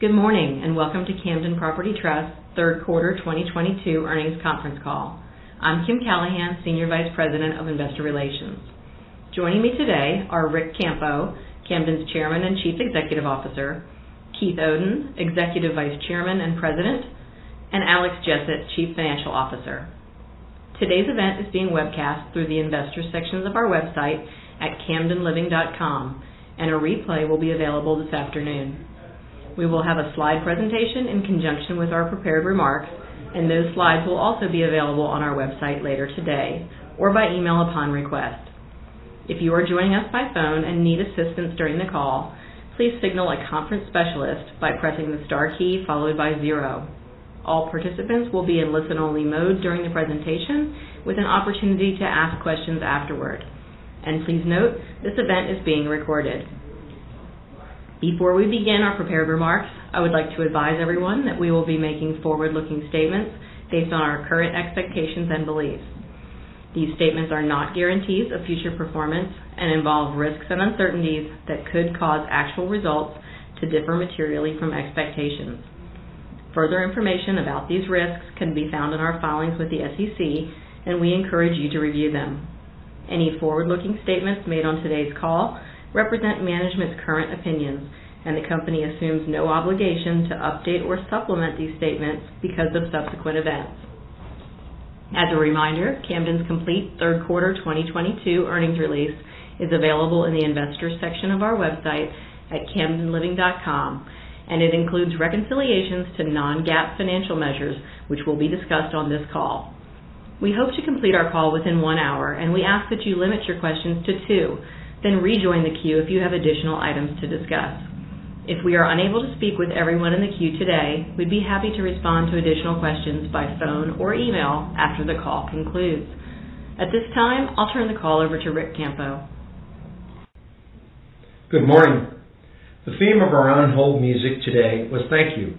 Good morning, and welcome to Camden Property Trust third quarter 2022 earnings conference call. I'm Kim Callahan, Senior Vice President of Investor Relations. Joining me today are Ric Campo, Camden's Chairman and Chief Executive Officer, Keith Oden, Executive Vice Chairman and President, and Alex Jessett, Chief Financial Officer. Today's event is being webcast through the investors sections of our website at camdenliving.com, and a replay will be available this afternoon. We will have a slide presentation in conjunction with our prepared remarks, and those slides will also be available on our website later today or by email upon request. If you are joining us by phone and need assistance during the call, please signal a conference specialist by pressing the star key followed by zero. All participants will be in listen-only mode during the presentation with an opportunity to ask questions afterward. Please note, this event is being recorded. Before we begin our prepared remarks, I would like to advise everyone that we will be making forward-looking statements based on our current expectations and beliefs. These statements are not guarantees of future performance and involve risks and uncertainties that could cause actual results to differ materially from expectations. Further information about these risks can be found in our filings with the SEC, and we encourage you to review them. Any forward-looking statements made on today's call represent management's current opinions, and the company assumes no obligation to update or supplement these statements because of subsequent events. As a reminder, Camden's complete third quarter 2022 earnings release is available in the investors section of our website at camdenliving.com, and it includes reconciliations to non-GAAP financial measures, which will be discussed on this call. We hope to complete our call within one hour, and we ask that you limit your questions to two, then rejoin the queue if you have additional items to discuss. If we are unable to speak with everyone in the queue today, we'd be happy to respond to additional questions by phone or email after the call concludes. At this time, I'll turn the call over to Ric Campo. Good morning. The theme of our on-hold music today was thank you.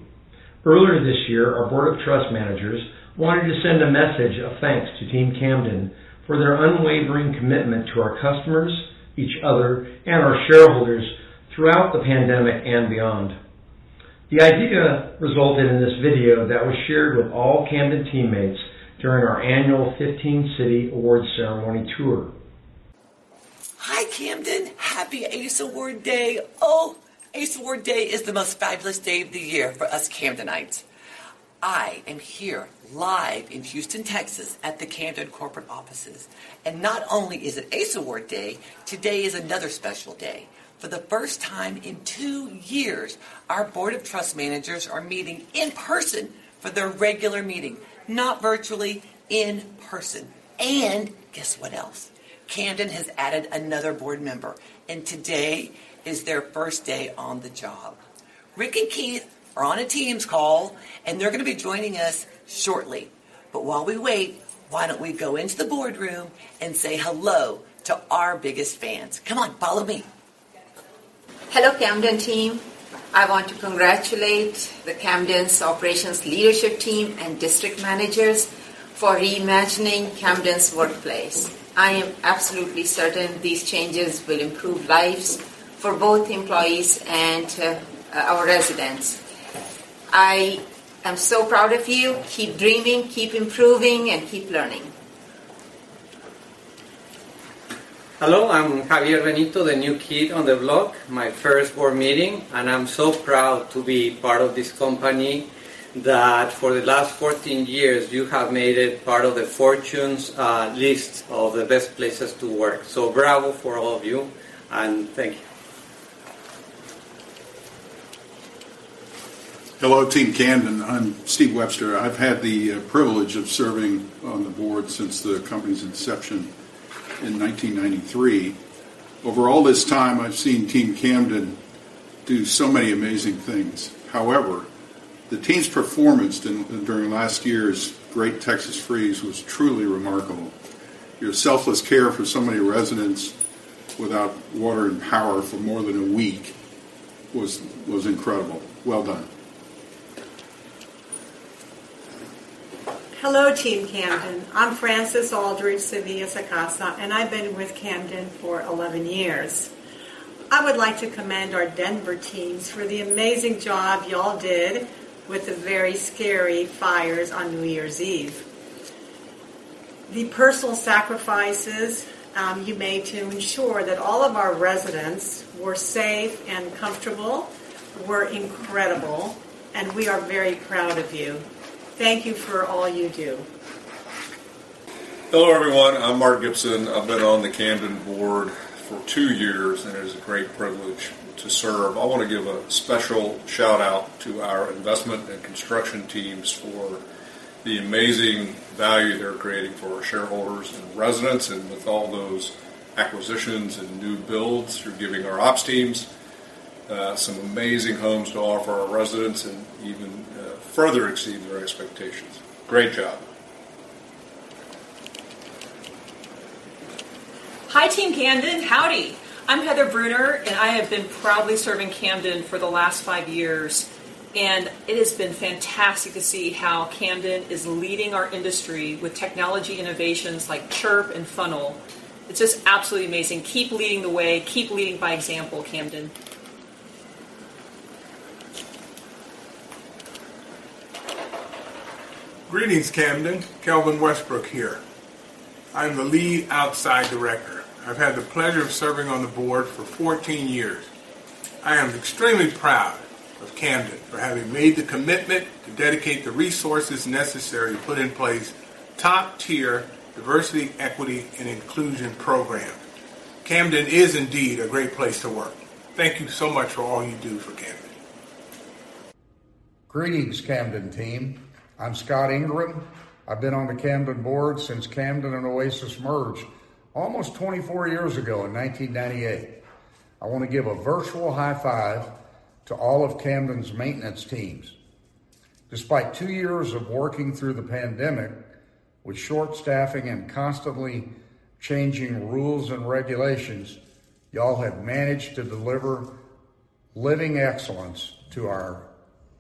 Earlier this year, our board of trust managers wanted to send a message of thanks to Team Camden for their unwavering commitment to our customers, each other, and our shareholders throughout the pandemic and beyond. The idea resulted in this video that was shared with all Camden teammates during our annual 15-city award ceremony tour. Hi, Camden. Happy ACE Award day. Oh, ACE Award day is the most fabulous day of the year for us Camdenites. I am here live in Houston, Texas, at the Camden corporate offices. Not only is it ACE Award day, today is another special day. For the first time in two years, our board of trust managers are meeting in person for their regular meeting, not virtually, in person. Guess what else? Camden has added another board member, and today is their first day on the job. Ric and Keith are on a Teams call, and they're gonna be joining us shortly. While we wait, why don't we go into the boardroom and say hello to our biggest fans. Come on, follow me. Hello, Camden team. I want to congratulate the Camden's operations leadership team and district managers for reimagining Camden's workplace. I am absolutely certain these changes will improve lives for both employees and our residents. I am so proud of you. Keep dreaming, keep improving, and keep learning. Hello, I'm Javier Benito, the new kid on the block. My first board meeting. I'm so proud to be part of this company that for the last 14 years, you have made it part of the Fortune's lists of the best places to work. Bravo for all of you, and thank you. Hello, Team Camden. I'm Steve Webster. I've had the privilege of serving on the board since the company's inception in 1993. Over all this time, I've seen Team Camden do so many amazing things. However, the team's performance during last year's great Texas freeze was truly remarkable. Your selfless care for so many residents without water and power for more than a week was incredible. Well done. Hello, Team Camden. I'm Frances Aldrich Sevilla-Sacasa, and I've been with Camden for 11 years. I would like to commend our Denver teams for the amazing job y'all did with the very scary fires on New Year's Eve. The personal sacrifices you made to ensure that all of our residents were safe and comfortable were incredible, and we are very proud of you. Thank you for all you do. Hello, everyone. I'm Mark Gibson. I've been on the Camden board for two years, and it is a great privilege to serve. I wanna give a special shout-out to our investment and construction teams for the amazing value they're creating for shareholders and residents. With all those acquisitions and new builds, you're giving our ops teams some amazing homes to offer our residents and even further exceed their expectations. Great job. Hi, Team Camden. Howdy. I'm Heather Brunner, and I have been proudly serving Camden for the last five years, and it has been fantastic to see how Camden is leading our industry with technology innovations like Chirp and Funnel. It's just absolutely amazing. Keep leading the way. Keep leading by example, Camden. Greetings, Camden. Kelvin Westbrook here. I'm the lead outside director. I've had the pleasure of serving on the board for 14 years. I am extremely proud of Camden for having made the commitment to dedicate the resources necessary to put in place top-tier diversity, equity, and inclusion program. Camden is indeed a great place to work. Thank you so much for all you do for Camden. Greetings, Camden team. I'm Scott Ingraham. I've been on the Camden board since Camden and Oasis merged almost 24 years ago in 1998. I wanna give a virtual high five to all of Camden's maintenance teams. Despite two years of working through the pandemic with short staffing and constantly changing rules and regulations, y'all have managed to deliver living excellence to our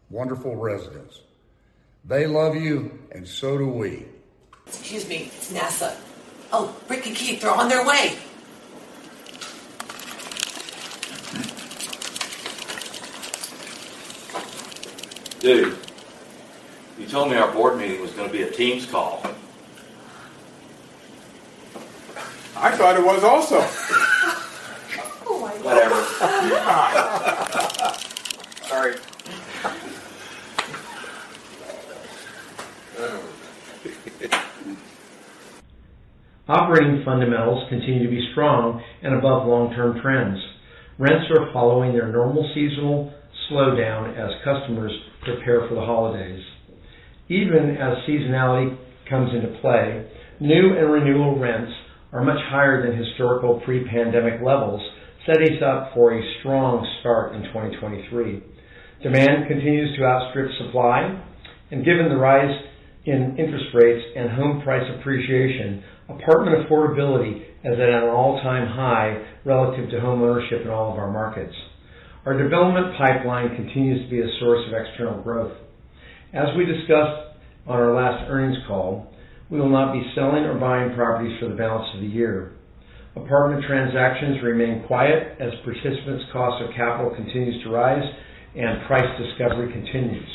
wonderful residents. They love you, and so do we. Excuse me. It's NASA. Oh, Ric and Keith, they're on their way. Dude, you told me our board meeting was gonna be a Teams call. I thought it was also. Oh my God. Whatever. Sorry. Operating fundamentals continue to be strong and above long-term trends. Rents are following their normal seasonal slowdown as customers prepare for the holidays. Even as seasonality comes into play, new and renewal rents are much higher than historical pre-pandemic levels, setting us up for a strong start in 2023. Demand continues to outstrip supply, and given the rise in interest rates and home price appreciation, apartment affordability is at an all-time high relative to homeownership in all of our markets. Our development pipeline continues to be a source of external growth. As we discussed on our last earnings call, we will not be selling or buying properties for the balance of the year. Apartment transactions remain quiet as participants' cost of capital continues to rise and price discovery continues.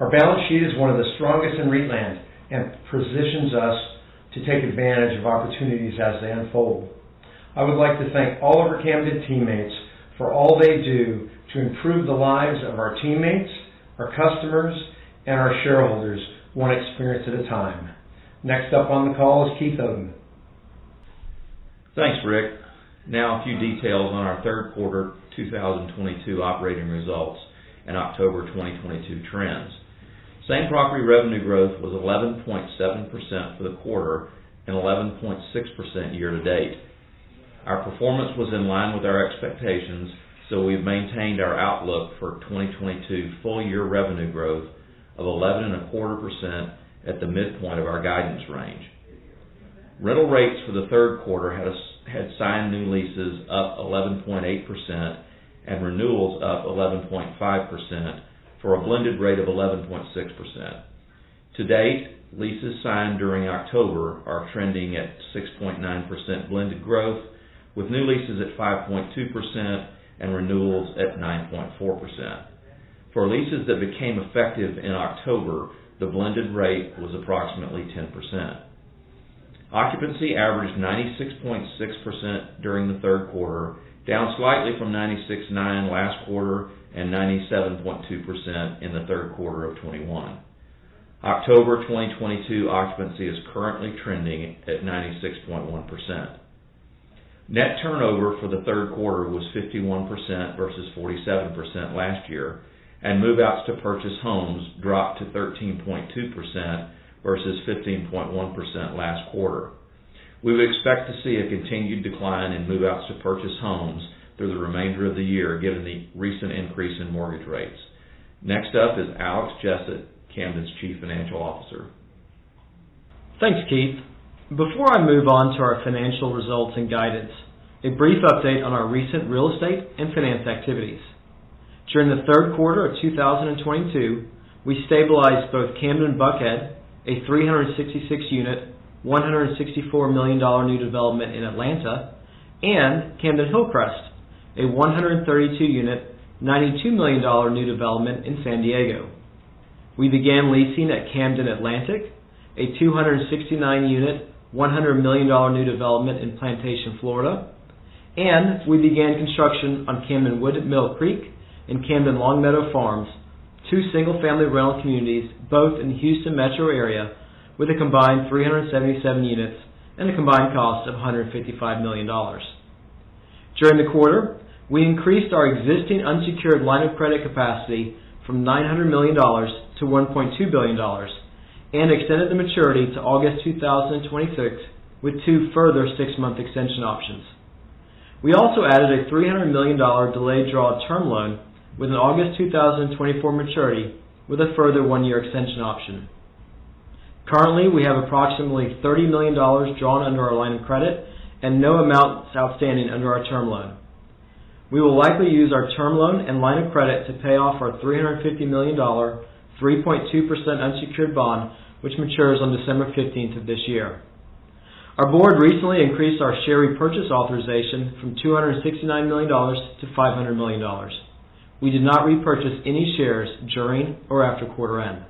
Our balance sheet is one of the strongest in REIT land and positions us to take advantage of opportunities as they unfold. I would like to thank all of our Camden teammates for all they do to improve the lives of our teammates, our customers, and our shareholders, one experience at a time. Next up on the call is Keith Oden. Thanks, Ric. Now a few details on our third quarter 2022 operating results and October 2022 trends. Same-property revenue growth was 11.7% for the quarter and 11.6% year to date. Our performance was in line with our expectations, so we've maintained our outlook for 2022 full year revenue growth of 11.25% at the midpoint of our guidance range. Rental rates for the third quarter had signed new leases up 11.8% and renewals up 11.5% for a blended rate of 11.6%. To date, leases signed during October are trending at 6.9% blended growth with new leases at 5.2% and renewals at 9.4%. For leases that became effective in October, the blended rate was approximately 10%. Occupancy averaged 96.6% during the third quarter, down slightly from 96.9% last quarter and 97.2% in the third quarter of 2021. October 2022 occupancy is currently trending at 96.1%. Net turnover for the third quarter was 51% versus 47% last year, and move-outs to purchase homes dropped to 13.2% versus 15.1% last quarter. We would expect to see a continued decline in move-outs to purchase homes through the remainder of the year given the recent increase in mortgage rates. Next up is Alex Jessett, Camden's Chief Financial Officer. Thanks, Keith. Before I move on to our financial results and guidance, a brief update on our recent real estate and finance activities. During the third quarter of 2022, we stabilized both Camden Buckhead, a 366-unit, $164 million new development in Atlanta, and Camden Hillcrest, a 132-unit, $92 million new development in San Diego. We began leasing at Camden Atlantic, a 269-unit, $100 million new development in Plantation, Florida, and we began construction on Camden Woodmill Creek and Camden Longmeadow Farms, two single-family rental communities, both in the Houston Metro area with a combined 377 units and a combined cost of $155 million. During the quarter, we increased our existing unsecured line of credit capacity from $900 million-$1.2 billion and extended the maturity to August 2026, with two further six-month extension options. We also added a $300 million delayed draw term loan with an August 2024 maturity with a further one-year extension option. Currently, we have approximately $30 million drawn under our line of credit and no amounts outstanding under our term loan. We will likely use our term loan and line of credit to pay off our $350 million, 3.2% unsecured bond, which matures on December 15th of this year. Our board recently increased our share repurchase authorization from $269 million-$500 million. We did not repurchase any shares during or after quarter end.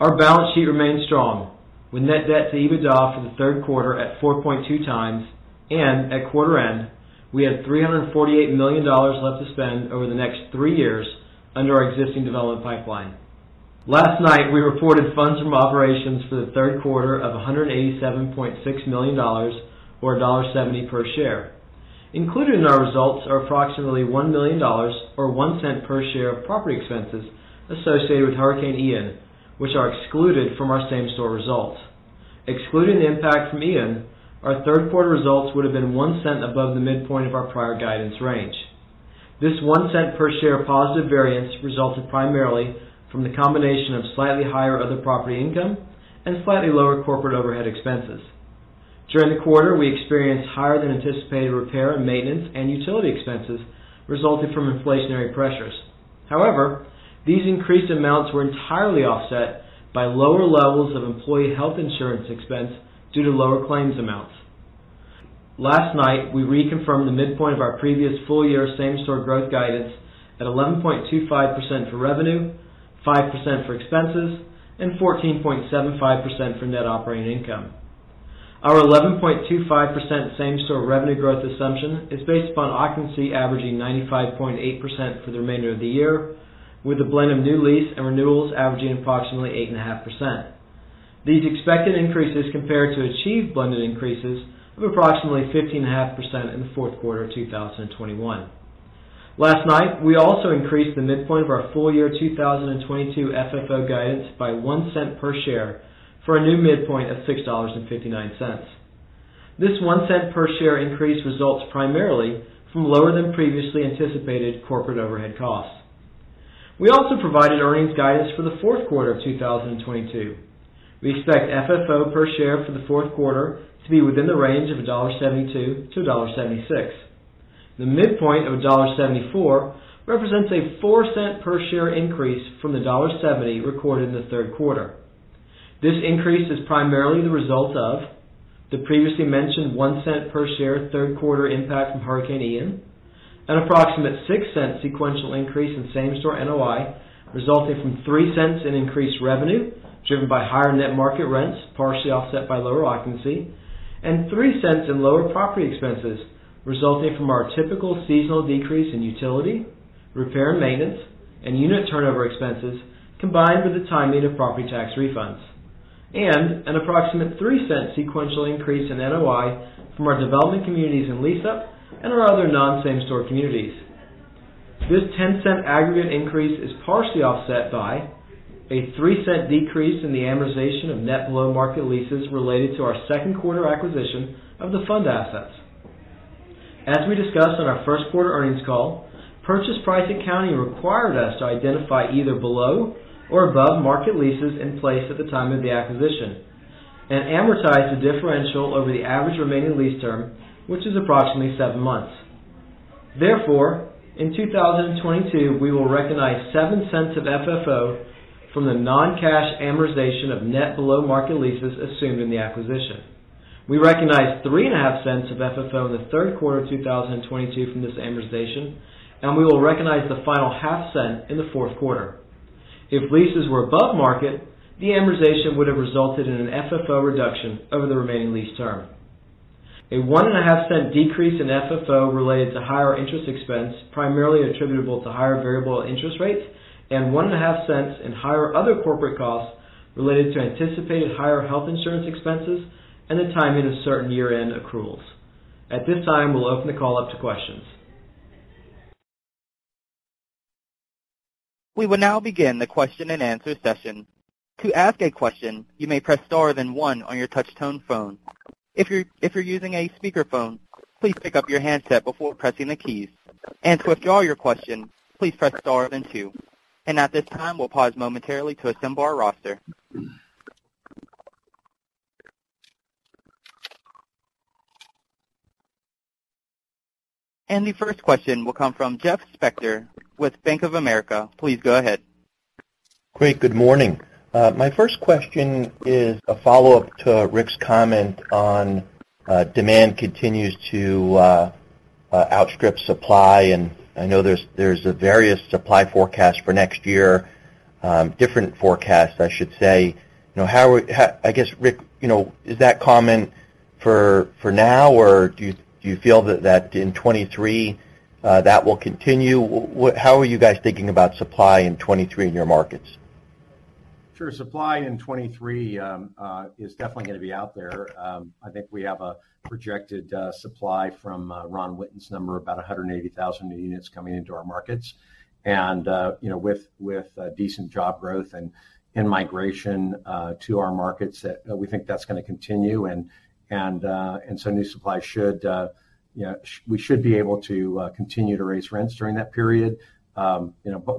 Our balance sheet remains strong, with net debt to EBITDA for the third quarter at 4.2x, and at quarter end, we had $348 million left to spend over the next three years under our existing development pipeline. Last night, we reported funds from operations for the third quarter of $187.6 million, or $1.70 per share. Included in our results are approximately $1 million or $0.01 per share of property expenses associated with Hurricane Ian, which are excluded from our same-store results. Excluding the impact from Ian, our third quarter results would have been $0.01 above the midpoint of our prior guidance range. This $0.01 per share positive variance resulted primarily from the combination of slightly higher other property income and slightly lower corporate overhead expenses. During the quarter, we experienced higher than anticipated repair and maintenance and utility expenses resulting from inflationary pressures. However, these increased amounts were entirely offset by lower levels of employee health insurance expense due to lower claims amounts. Last night, we reconfirmed the midpoint of our previous full-year same-store growth guidance at 11.25% for revenue, 5% for expenses, and 14.75% for net operating income. Our 11.25% same-store revenue growth assumption is based upon occupancy averaging 95.8% for the remainder of the year, with a blend of new lease and renewals averaging approximately 8.5%. These expected increases compared to achieved blended increases of approximately 15.5% in the fourth quarter of 2021. Last night, we also increased the midpoint of our full-year 2022 FFO guidance by $0.01 per share for a new midpoint of $6.59. This $0.01 per share increase results primarily from lower than previously anticipated corporate overhead costs. We also provided earnings guidance for the fourth quarter of 2022. We expect FFO per share for the fourth quarter to be within the range of $1.72-$1.76. The midpoint of $1.74 represents a $0.04 per share increase from the $1.70 recorded in the third quarter. This increase is primarily the result of the previously mentioned $0.01 per share third quarter impact from Hurricane Ian, an approximate $0.06 Sequential increase in same-store NOI, resulting from $0.03 in increased revenue driven by higher net market rents, partially offset by lower occupancy, and $0.03 In lower property expenses resulting from our typical seasonal decrease in utility, repair and maintenance, and unit turnover expenses, combined with the timing of property tax refunds. An approximate $0.03 Sequential increase in NOI from our development communities in lease-up and our other non-same-store communities. This $0.10 aggregate increase is partially offset by a $0.03 Decrease in the amortization of net below-market leases related to our second quarter acquisition of the fund assets. As we discussed on our first quarter earnings call, purchase price accounting required us to identify either below or above market leases in place at the time of the acquisition and amortize the differential over the average remaining lease term, which is approximately seven months. Therefore, in 2022, we will recognize $0.07 of FFO from the non-cash amortization of net below market leases assumed in the acquisition. We recognized $0.035 of FFO in the third quarter of 2022 from this amortization, and we will recognize the final $0.005 in the fourth quarter. If leases were above market, the amortization would have resulted in an FFO reduction over the remaining lease term. A $0.015 decrease in FFO related to higher interest expense, primarily attributable to higher variable interest rates, and $0.015 in higher other corporate costs related to anticipated higher health insurance expenses and the timing of certain year-end accruals. At this time, we'll open the call up to questions. We will now begin the question-and-answer session. To ask a question, you may press star then one on your touch tone phone. If you're using a speakerphone, please pick up your handset before pressing the keys. To withdraw your question, please press star then two. At this time, we'll pause momentarily to assemble our roster. The first question will come from Jeff Spector with Bank of America. Please go ahead. Great. Good morning. My first question is a follow-up to Ric's comment on demand continues to outstrip supply, and I know there's various supply forecasts for next year, different forecasts, I should say. I guess, Ric, you know, is that common for now, or do you feel that in 2023 that will continue? How are you guys thinking about supply in 2023 in your markets? Sure. Supply in 2023 is definitely gonna be out there. I think we have a projected supply from Ron Witten's number, about 180,000 new units coming into our markets. You know, with decent job growth and migration to our markets that we think that's gonna continue. So new supply should, you know, we should be able to continue to raise rents during that period. You know, but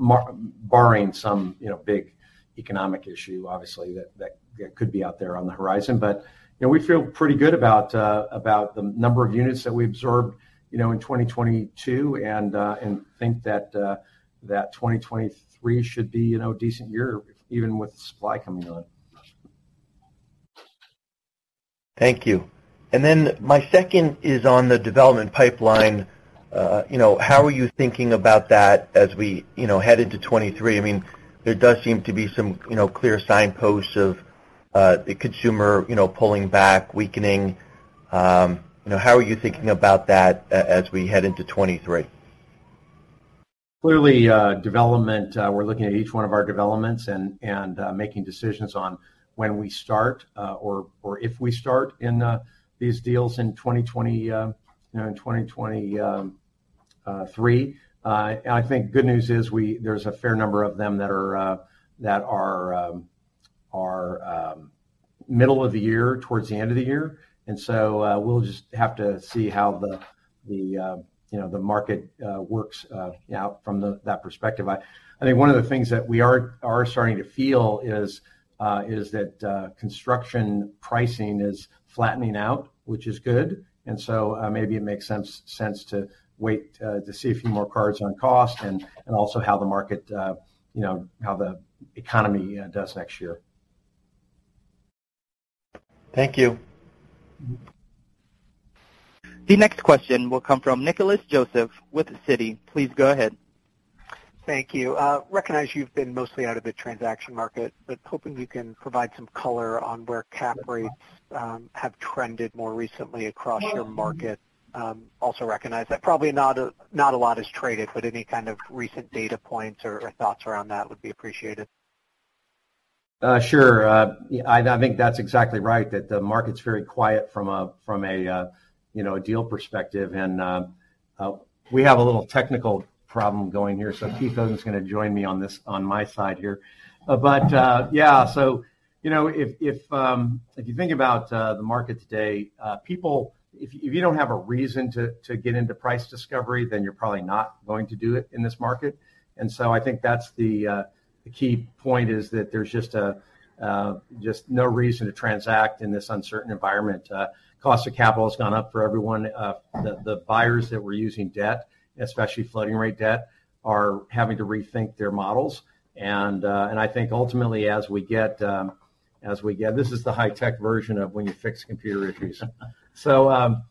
barring some big economic issue, obviously, that could be out there on the horizon. You know, we feel pretty good about the number of units that we absorbed, you know, in 2022, and think that 2023 should be, you know, a decent year even with the supply coming on. Thank you. My second is on the development pipeline. You know, how are you thinking about that as we, you know, head into 2023? I mean, there does seem to be some, you know, clear signposts of the consumer, you know, pulling back, weakening. You know, how are you thinking about that as we head into 2023? Clearly, development, we're looking at each one of our developments and making decisions on when we start or if we start in these deals in 2023, you know. I think good news is there's a fair number of them that are middle of the year towards the end of the year. We'll just have to see how the you know, the market works, you know, from that perspective. I think one of the things that we are starting to feel is that construction pricing is flattening out, which is good. Maybe it makes sense to wait to see a few more cards on cost and also how the market, you know, how the economy does next year. Thank you. The next question will come from Nicholas Joseph with Citi. Please go ahead. Thank you. Recognize you've been mostly out of the transaction market, but hoping you can provide some color on where cap rates have trended more recently across your market. Also recognize that probably not a lot is traded, but any kind of recent data points or thoughts around that would be appreciated. Sure. Yeah, I think that's exactly right, that the market's very quiet from a you know a deal perspective. We have a little technical problem going here, so Keith isn't gonna join me on my side here. Yeah. You know, if you think about the market today, if you don't have a reason to get into price discovery, then you're probably not going to do it in this market. I think that's the key point is that there's just no reason to transact in this uncertain environment. Cost of capital has gone up for everyone. The buyers that were using debt, especially floating rate debt, are having to rethink their models. I think ultimately this is the high tech version of when you fix computer issues. I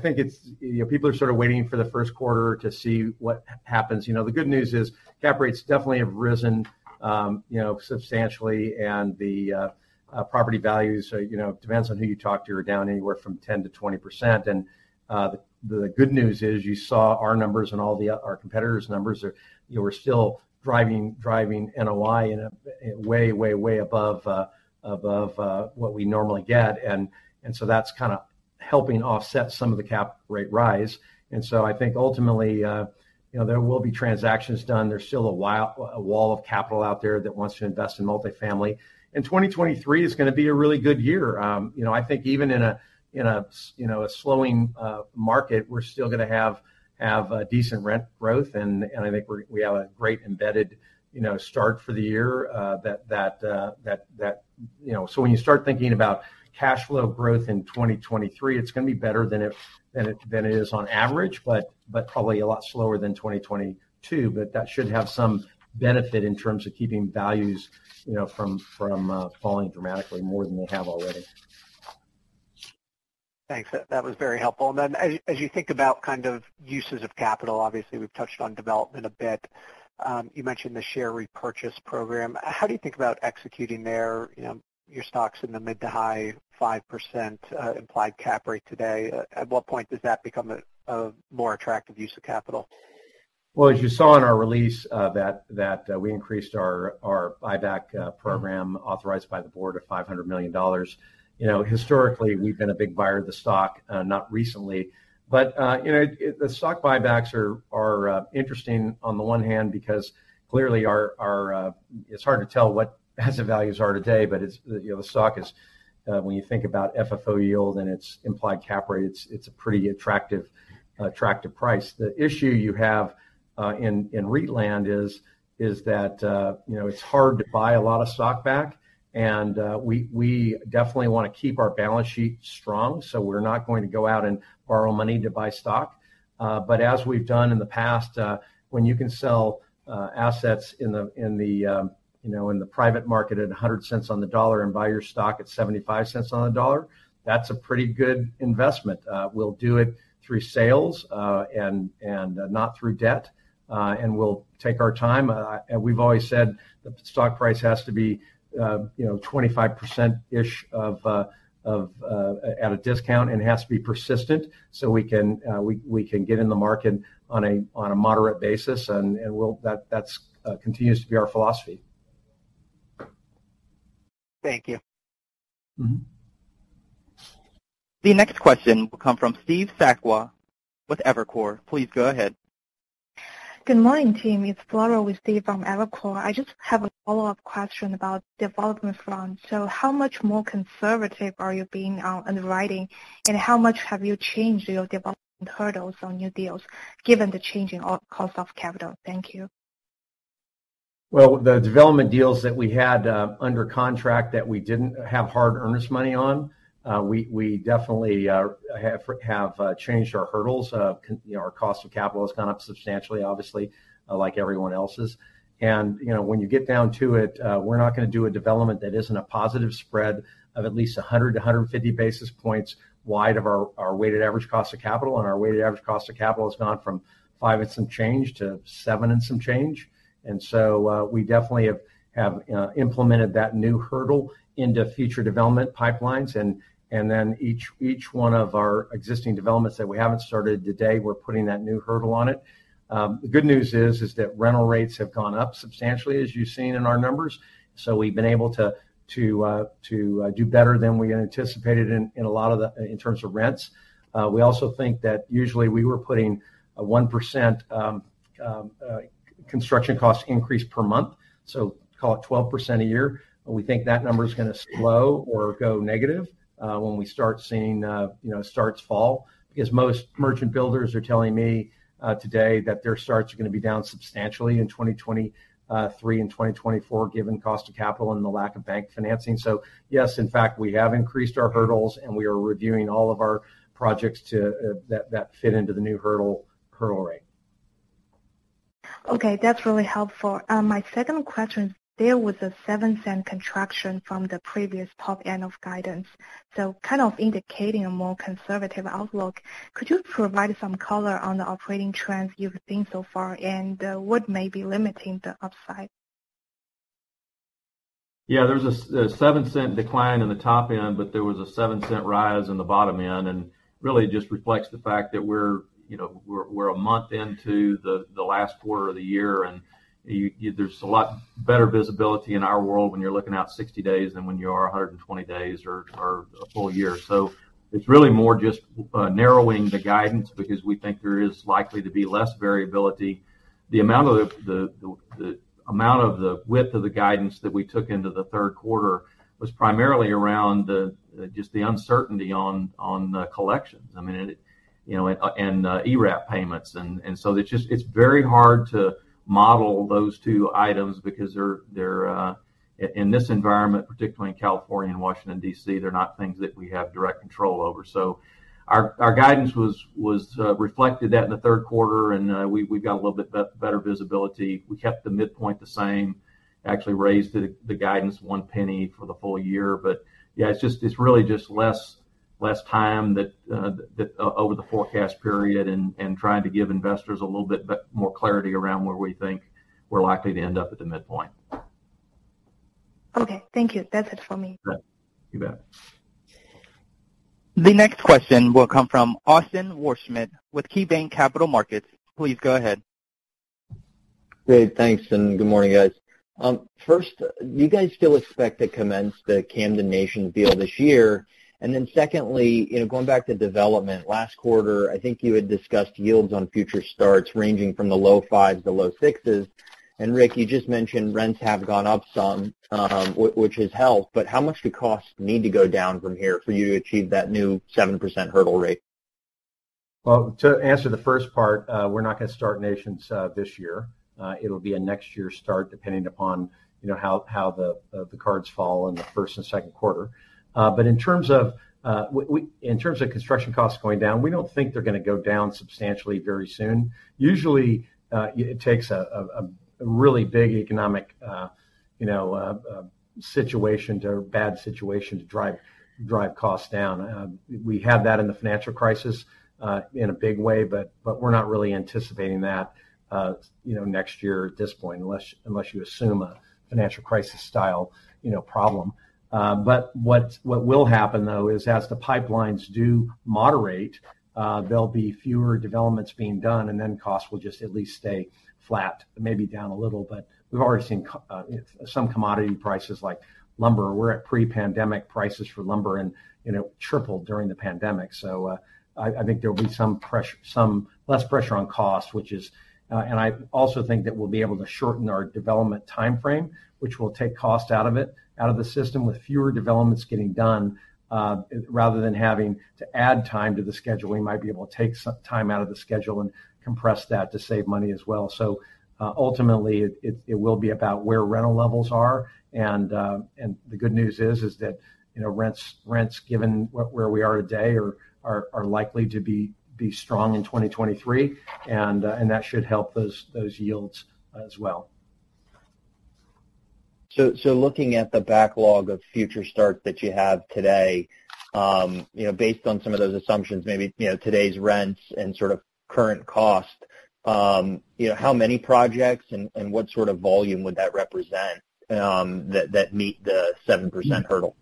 think it's, you know, people are sort of waiting for the first quarter to see what happens. You know, the good news is cap rates definitely have risen, you know, substantially, and the property values, you know, depends on who you talk to, are down anywhere from 10%-20%. The good news is you saw our numbers and all of our competitors' numbers are, you know, we're still driving NOI way above what we normally get. That's kind of helping offset some of the cap rate rise. I think ultimately, you know, there will be transactions done. There's still a wall of capital out there that wants to invest in multifamily. 2023 is gonna be a really good year. You know, I think even in a slowing market, we're still gonna have decent rent growth, and I think we have a great embedded start for the year. You know, when you start thinking about cash flow growth in 2023, it's gonna be better than it is on average, but probably a lot slower than 2022. That should have some benefit in terms of keeping values, you know, from falling dramatically more than they have already. Thanks. That was very helpful. Then as you think about kind of uses of capital, obviously we've touched on development a bit, you mentioned the share repurchase program. How do you think about executing there? You know, your stock's in the mid- to high-5% implied cap rate today. At what point does that become a more attractive use of capital? Well, as you saw in our release, we increased our buyback program authorized by the board of $500 million. You know, historically, we've been a big buyer of the stock, not recently. You know, the stock buybacks are interesting on the one hand, because clearly our. It's hard to tell what asset values are today, but it's, you know, the stock is, when you think about FFO yield and its implied cap rate, it's a pretty attractive price. The issue you have in REIT land is that, you know, it's hard to buy a lot of stock back, and we definitely wanna keep our balance sheet strong, so we're not going to go out and borrow money to buy stock. As we've done in the past, when you can sell assets in the, you know, private market at $1.00 on the dollar and buy your stock at $0.75 on the dollar, that's a pretty good investment. We'll do it through sales and not through debt. We'll take our time. We've always said the stock price has to be, you know, 25%-ish off at a discount, and it has to be persistent, so we can get in the market on a moderate basis, and we'll. That continues to be our philosophy. Thank you. Mm-hmm. The next question will come from Steve Sakwa with Evercore. Please go ahead. Good morning, team. It's Flora with Steve Sakwa from Evercore. I just have a follow-up question about development front. How much more conservative are you being in underwriting, and how much have you changed your development hurdles on new deals given the change in cost of capital? Thank you. Well, the development deals that we had under contract that we didn't have hard earnest money on, we definitely have changed our hurdles. You know, our cost of capital has gone up substantially, obviously, like everyone else's. You know, when you get down to it, we're not gonna do a development that isn't a positive spread of at least 100-150 basis points wide of our weighted average cost of capital. Our weighted average cost of capital has gone from five and some change to seven and some change. We definitely have implemented that new hurdle into future development pipelines. Then each one of our existing developments that we haven't started today, we're putting that new hurdle on it. The good news is that rental rates have gone up substantially, as you've seen in our numbers. We've been able to do better than we anticipated in terms of rents. We also think that usually we were putting a 1% construction cost increase per month, so call it 12% a year. We think that number's gonna slow or go negative when we start seeing you know, starts fall. Because most merchant builders are telling me today that their starts are gonna be down substantially in 2023 and 2024, given cost of capital and the lack of bank financing. Yes, in fact, we have increased our hurdles, and we are reviewing all of our projects that fit into the new hurdle rate. Okay, that's really helpful. My second question, there was a $0.07 contraction from the previous top end of guidance, so kind of indicating a more conservative outlook. Could you provide some color on the operating trends you've seen so far, and what may be limiting the upside? Yeah. There was a $0.07 decline in the top end, but there was a $0.07 rise in the bottom end. Really it just reflects the fact that we're, you know, we're a month into the last quarter of the year, and you there's a lot better visibility in our world when you're looking out 60 days than when you are 120 days or a full year. So it's really more just narrowing the guidance because we think there is likely to be less variability. The amount of the width of the guidance that we took into the third quarter was primarily around the just the uncertainty on the collections. I mean, it, you know, and ERAP payments. It's just very hard to model those two items because they're in this environment, particularly in California and Washington, D.C., not things that we have direct control over. Our guidance was reflected that in the third quarter, and we've got a little bit better visibility. We kept the midpoint the same, actually raised the guidance $0.01 for the full year. Yeah, it's just really just less time that over the forecast period and trying to give investors a little bit more clarity around where we think we're likely to end up at the midpoint. Okay, thank you. That's it for me. All right. You bet. The next question will come from Austin Wurschmidt with KeyBanc Capital Markets. Please go ahead. Great. Thanks, and good morning, guys. First, do you guys still expect to commence the Camden Nations deal this year? Secondly, you know, going back to development, last quarter, I think you had discussed yields on future starts ranging from the low 5s to low 6s. Ric, you just mentioned rents have gone up some, which has helped, but how much do costs need to go down from here for you to achieve that new 7% hurdle rate? Well, to answer the first part, we're not gonna start Nations this year. It'll be a next year start, depending upon, you know, how the cards fall in the first and second quarter. In terms of construction costs going down, we don't think they're gonna go down substantially very soon. Usually, it takes a really big economic you know situation or bad situation to drive costs down. We had that in the financial crisis in a big way, but we're not really anticipating that, you know, next year at this point, unless you assume a financial crisis style you know problem. What will happen though is, as the pipelines do moderate, there'll be fewer developments being done, and then costs will just at least stay flat, maybe down a little. We've already seen, you know, some commodity prices like lumber. We're at pre-pandemic prices for lumber and, you know, tripled during the pandemic. I think there will be some less pressure on cost, which is. I also think that we'll be able to shorten our development timeframe, which will take cost out of it, out of the system. With fewer developments getting done, rather than having to add time to the schedule, we might be able to take some time out of the schedule and compress that to save money as well. Ultimately, it will be about where rental levels are. The good news is that, you know, rents, given where we are today, are likely to be strong in 2023, and that should help those yields as well. Looking at the backlog of future start that you have today, you know, based on some of those assumptions, maybe, you know, today's rents and sort of current cost, you know, how many projects and what sort of volume would that represent, that meet the 7% hurdle?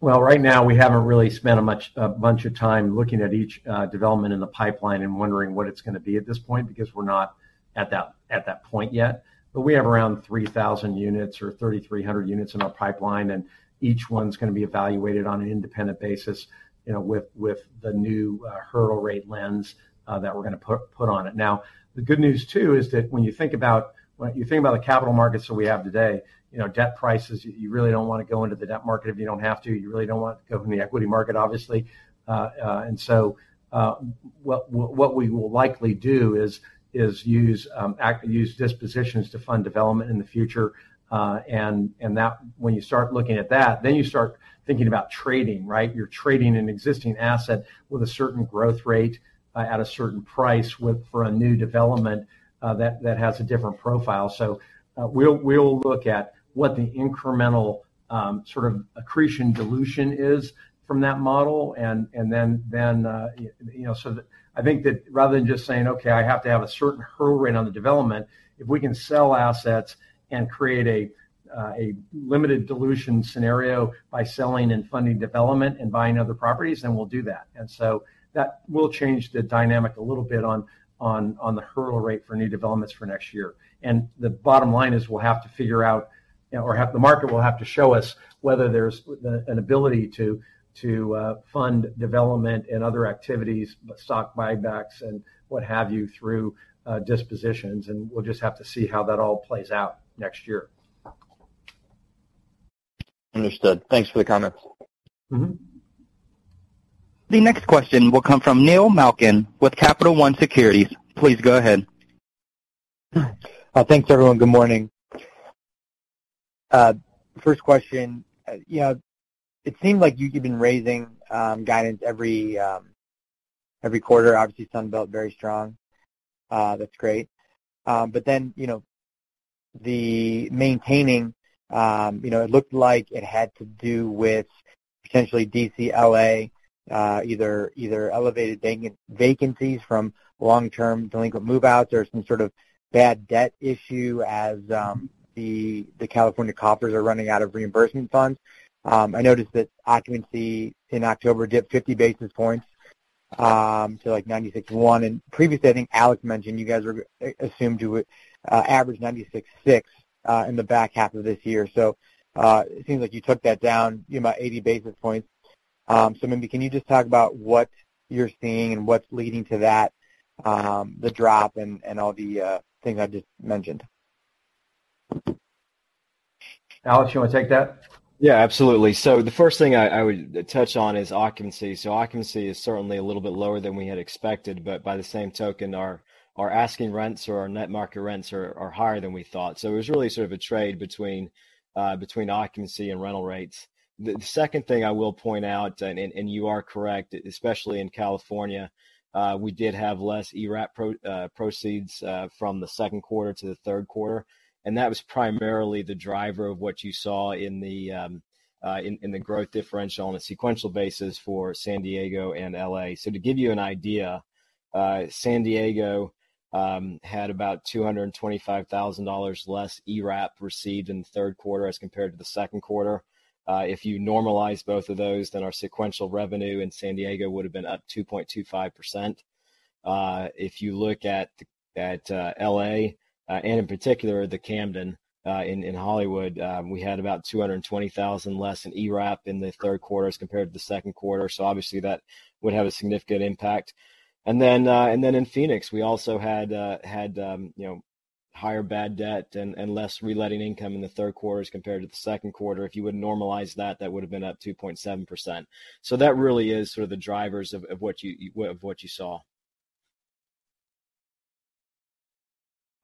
Right now we haven't really spent a bunch of time looking at each development in the pipeline and wondering what it's gonna be at this point, because we're not at that point yet. We have around 3,000 units or 3,300 units in our pipeline, and each one's gonna be evaluated on an independent basis, you know, with the new hurdle rate lens that we're gonna put on it. Now, the good news too is that when you think about the capital markets that we have today, you know, debt prices, you really don't wanna go into the debt market if you don't have to. You really don't want to go to the equity market, obviously. What we will likely do is use dispositions to fund development in the future. When you start looking at that, then you start thinking about trading, right? You're trading an existing asset with a certain growth rate at a certain price for a new development that has a different profile. We'll look at what the incremental sort of accretion dilution is from that model. Then you know, so that I think that rather than just saying, "Okay, I have to have a certain hurdle rate on the development," if we can sell assets and create a limited dilution scenario by selling and funding development and buying other properties, then we'll do that. That will change the dynamic a little bit on the hurdle rate for new developments for next year. The bottom line is we'll have to figure out, you know, or the market will have to show us whether there's an ability to fund development and other activities, stock buybacks, and what have you, through dispositions, and we'll just have to see how that all plays out next year. Understood. Thanks for the comments. Mm-hmm. The next question will come from Neil Malkin with Capital One Securities. Please go ahead. Thanks everyone. Good morning. First question. You know, it seemed like you've been raising guidance every quarter, obviously Sunbelt very strong. That's great. But then, you know, the maintaining, you know, it looked like it had to do with potentially D.C., L.A., either elevated vacancies from long-term delinquent move-outs or some sort of bad debt issue as the California coffers are running out of reimbursement funds. I noticed that occupancy in October dipped 50 basis points to like 96.1. Previously, I think Alex mentioned you guys were assuming you would average 96.6 in the back half of this year. It seems like you took that down, you know, by 80 basis points. Maybe can you just talk about what you're seeing and what's leading to that, the drop and all the things I just mentioned? Alex, you wanna take that? Yeah, absolutely. The first thing I would touch on is occupancy. Occupancy is certainly a little bit lower than we had expected, but by the same token, our asking rents or our net market rents are higher than we thought. It was really sort of a trade between occupancy and rental rates. The second thing I will point out, and you are correct, especially in California, we did have less ERAP proceeds from the second quarter to the third quarter, and that was primarily the driver of what you saw in the growth differential on a sequential basis for San Diego and L.A. To give you an idea, San Diego had about $225,000 less ERAP received in the third quarter as compared to the second quarter. If you normalize both of those, then our sequential revenue in San Diego would have been up 2.25%. If you look at L.A., and in particular the Camden in Hollywood, we had about $220,000 less in ERAP in the third quarter as compared to the second quarter. Obviously, that would have a significant impact. Then in Phoenix, we also had you know higher bad debt and less reletting income in the third quarter as compared to the second quarter. If you normalize that would have been up 2.7%. That really is sort of the drivers of what you saw.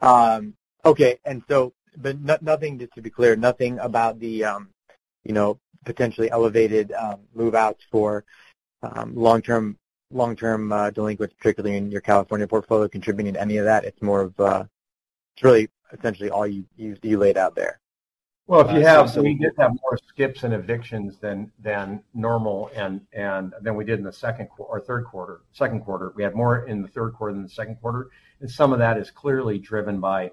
Okay. Nothing, just to be clear, nothing about the, you know, potentially elevated move-outs for long-term delinquents, particularly in your California portfolio contributing to any of that. It's really essentially all you've delayed out there. Well, if you have. So we- We did have more skips and evictions than normal and than we did in the second quarter. We had more in the third quarter than the second quarter, and some of that is clearly driven by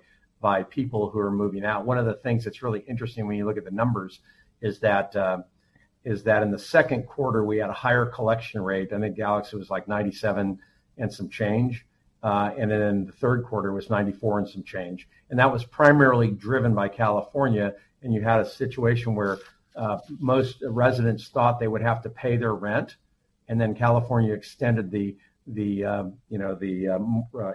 people who are moving out. One of the things that's really interesting when you look at the numbers is that in the second quarter, we had a higher collection rate. I think Alex, it was like 97% and some change. Then the third quarter was 94% and some change. That was primarily driven by California, and you had a situation where most residents thought they would have to pay their rent, and then California extended the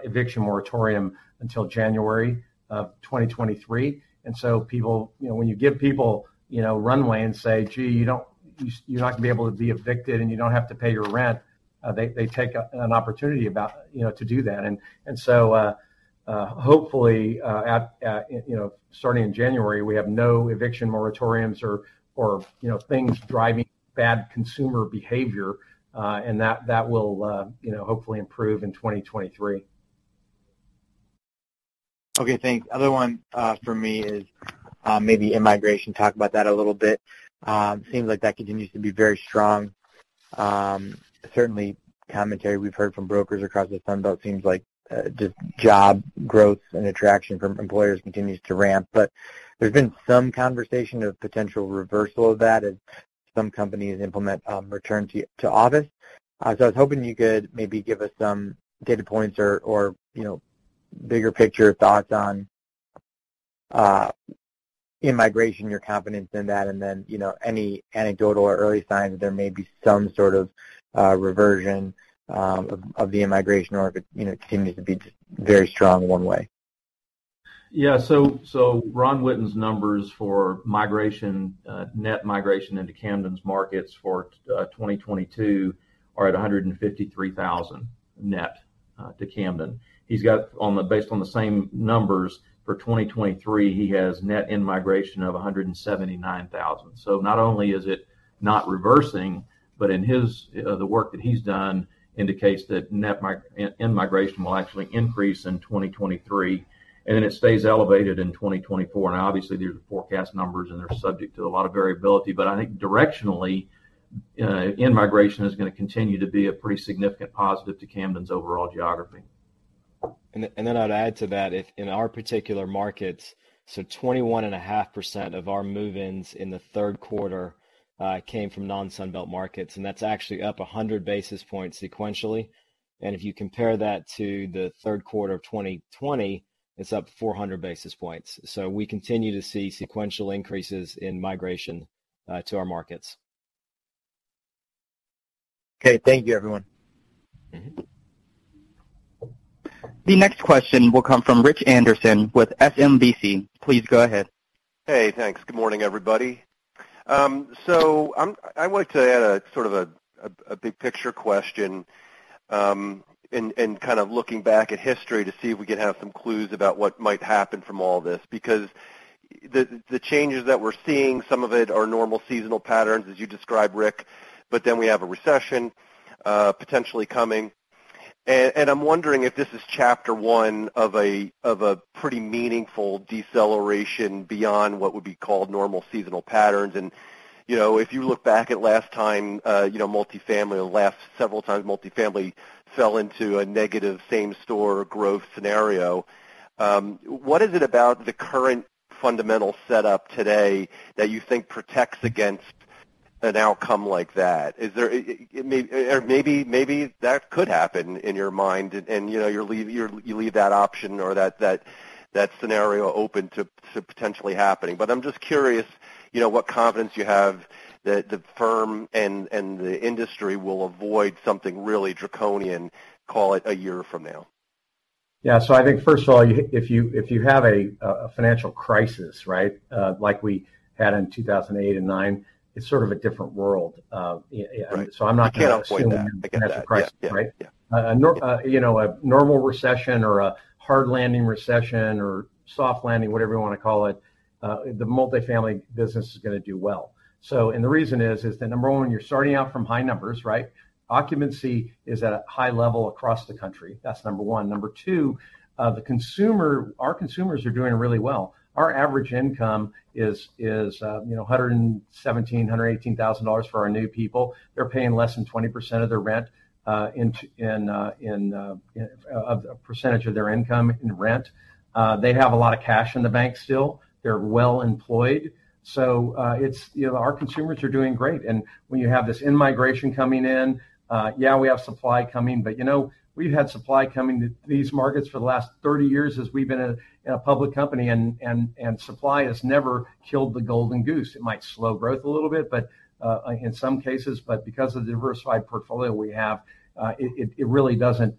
eviction moratorium until January 2023. You know, when you give people, you know, runway and say, "Gee, you don't, you're not gonna be able to be evicted, and you don't have to pay your rent," they take an opportunity to do that. Hopefully, you know, starting in January, we have no eviction moratoriums or, you know, things driving bad consumer behavior, and that will, you know, hopefully improve in 2023. Okay, thanks. Other one for me is maybe in-migration. Talk about that a little bit. Seems like that continues to be very strong. Certainly commentary we've heard from brokers across the Sunbelt seems like just job growth and attraction from employers continues to ramp. There's been some conversation of potential reversal of that as some companies implement return to office. I was hoping you could maybe give us some data points or you know bigger picture thoughts on in-migration, your confidence in that, and then you know any anecdotal or early signs that there may be some sort of reversion of the in-migration, or if it you know continues to be just very strong one way. Yeah. Ron Witten's numbers for migration, net migration into Camden's markets for 2022 are at 153,000 net to Camden. He's got based on the same numbers for 2023, he has net in-migration of 179,000. Not only is it not reversing, but in his, the work that he's done indicates that net in-migration will actually increase in 2023, and then it stays elevated in 2024. Now obviously, these are the forecast numbers, and they're subject to a lot of variability. I think directionally, in-migration is gonna continue to be a pretty significant positive to Camden's overall geography. I'd add to that, if in our particular markets, so 21.5% of our move-ins in the third quarter came from non-Sunbelt markets, and that's actually up 100 basis points sequentially. If you compare that to the third quarter of 2020, it's up 400 basis points. We continue to see sequential increases in migration to our markets. Okay. Thank you, everyone. Mm-hmm. The next question will come from Rich Anderson with SMBC. Please go ahead. Hey, thanks. Good morning, everybody. I wanted to add a sort of a big picture question, and kind of looking back at history to see if we could have some clues about what might happen from all this. Because the changes that we're seeing, some of it are normal seasonal patterns, as you described, Ric, but then we have a recession potentially coming. I'm wondering if this is chapter one of a pretty meaningful deceleration beyond what would be called normal seasonal patterns. You know, if you look back at last time, you know, multifamily, or the last several times multifamily fell into a negative same-store growth scenario, what is it about the current fundamental setup today that you think protects against an outcome like that? Is there maybe that could happen in your mind and, you know, you leave that option or that scenario open to potentially happening. I'm just curious, you know, what confidence you have that the firm and the industry will avoid something really draconian, call it, a year from now. Yeah. I think first of all, if you have a financial crisis, right, like we had in 2008 and 2009, it's sort of a different world. I'm not gonna assume- You can't avoid that. I get that. Yeah. a financial crisis, right? Yeah. Yeah. You know, a normal recession or a hard landing recession or soft landing, whatever you wanna call it, the multifamily business is gonna do well. The reason is that number one, you're starting out from high numbers, right? Occupancy is at a high level across the country. That's number one. Number two, the consumer, our consumers are doing really well. Our average income is, you know, $117,000-$118,000 for our new people. They're paying less than 20% of their income in rent. They have a lot of cash in the bank still. They're well employed. It's, you know, our consumers are doing great. When you have this in-migration coming in, we have supply coming, but, you know, we've had supply coming to these markets for the last 30 years as we've been a public company, and supply has never killed the golden goose. It might slow growth a little bit, but in some cases, but because of the diversified portfolio we have, it really doesn't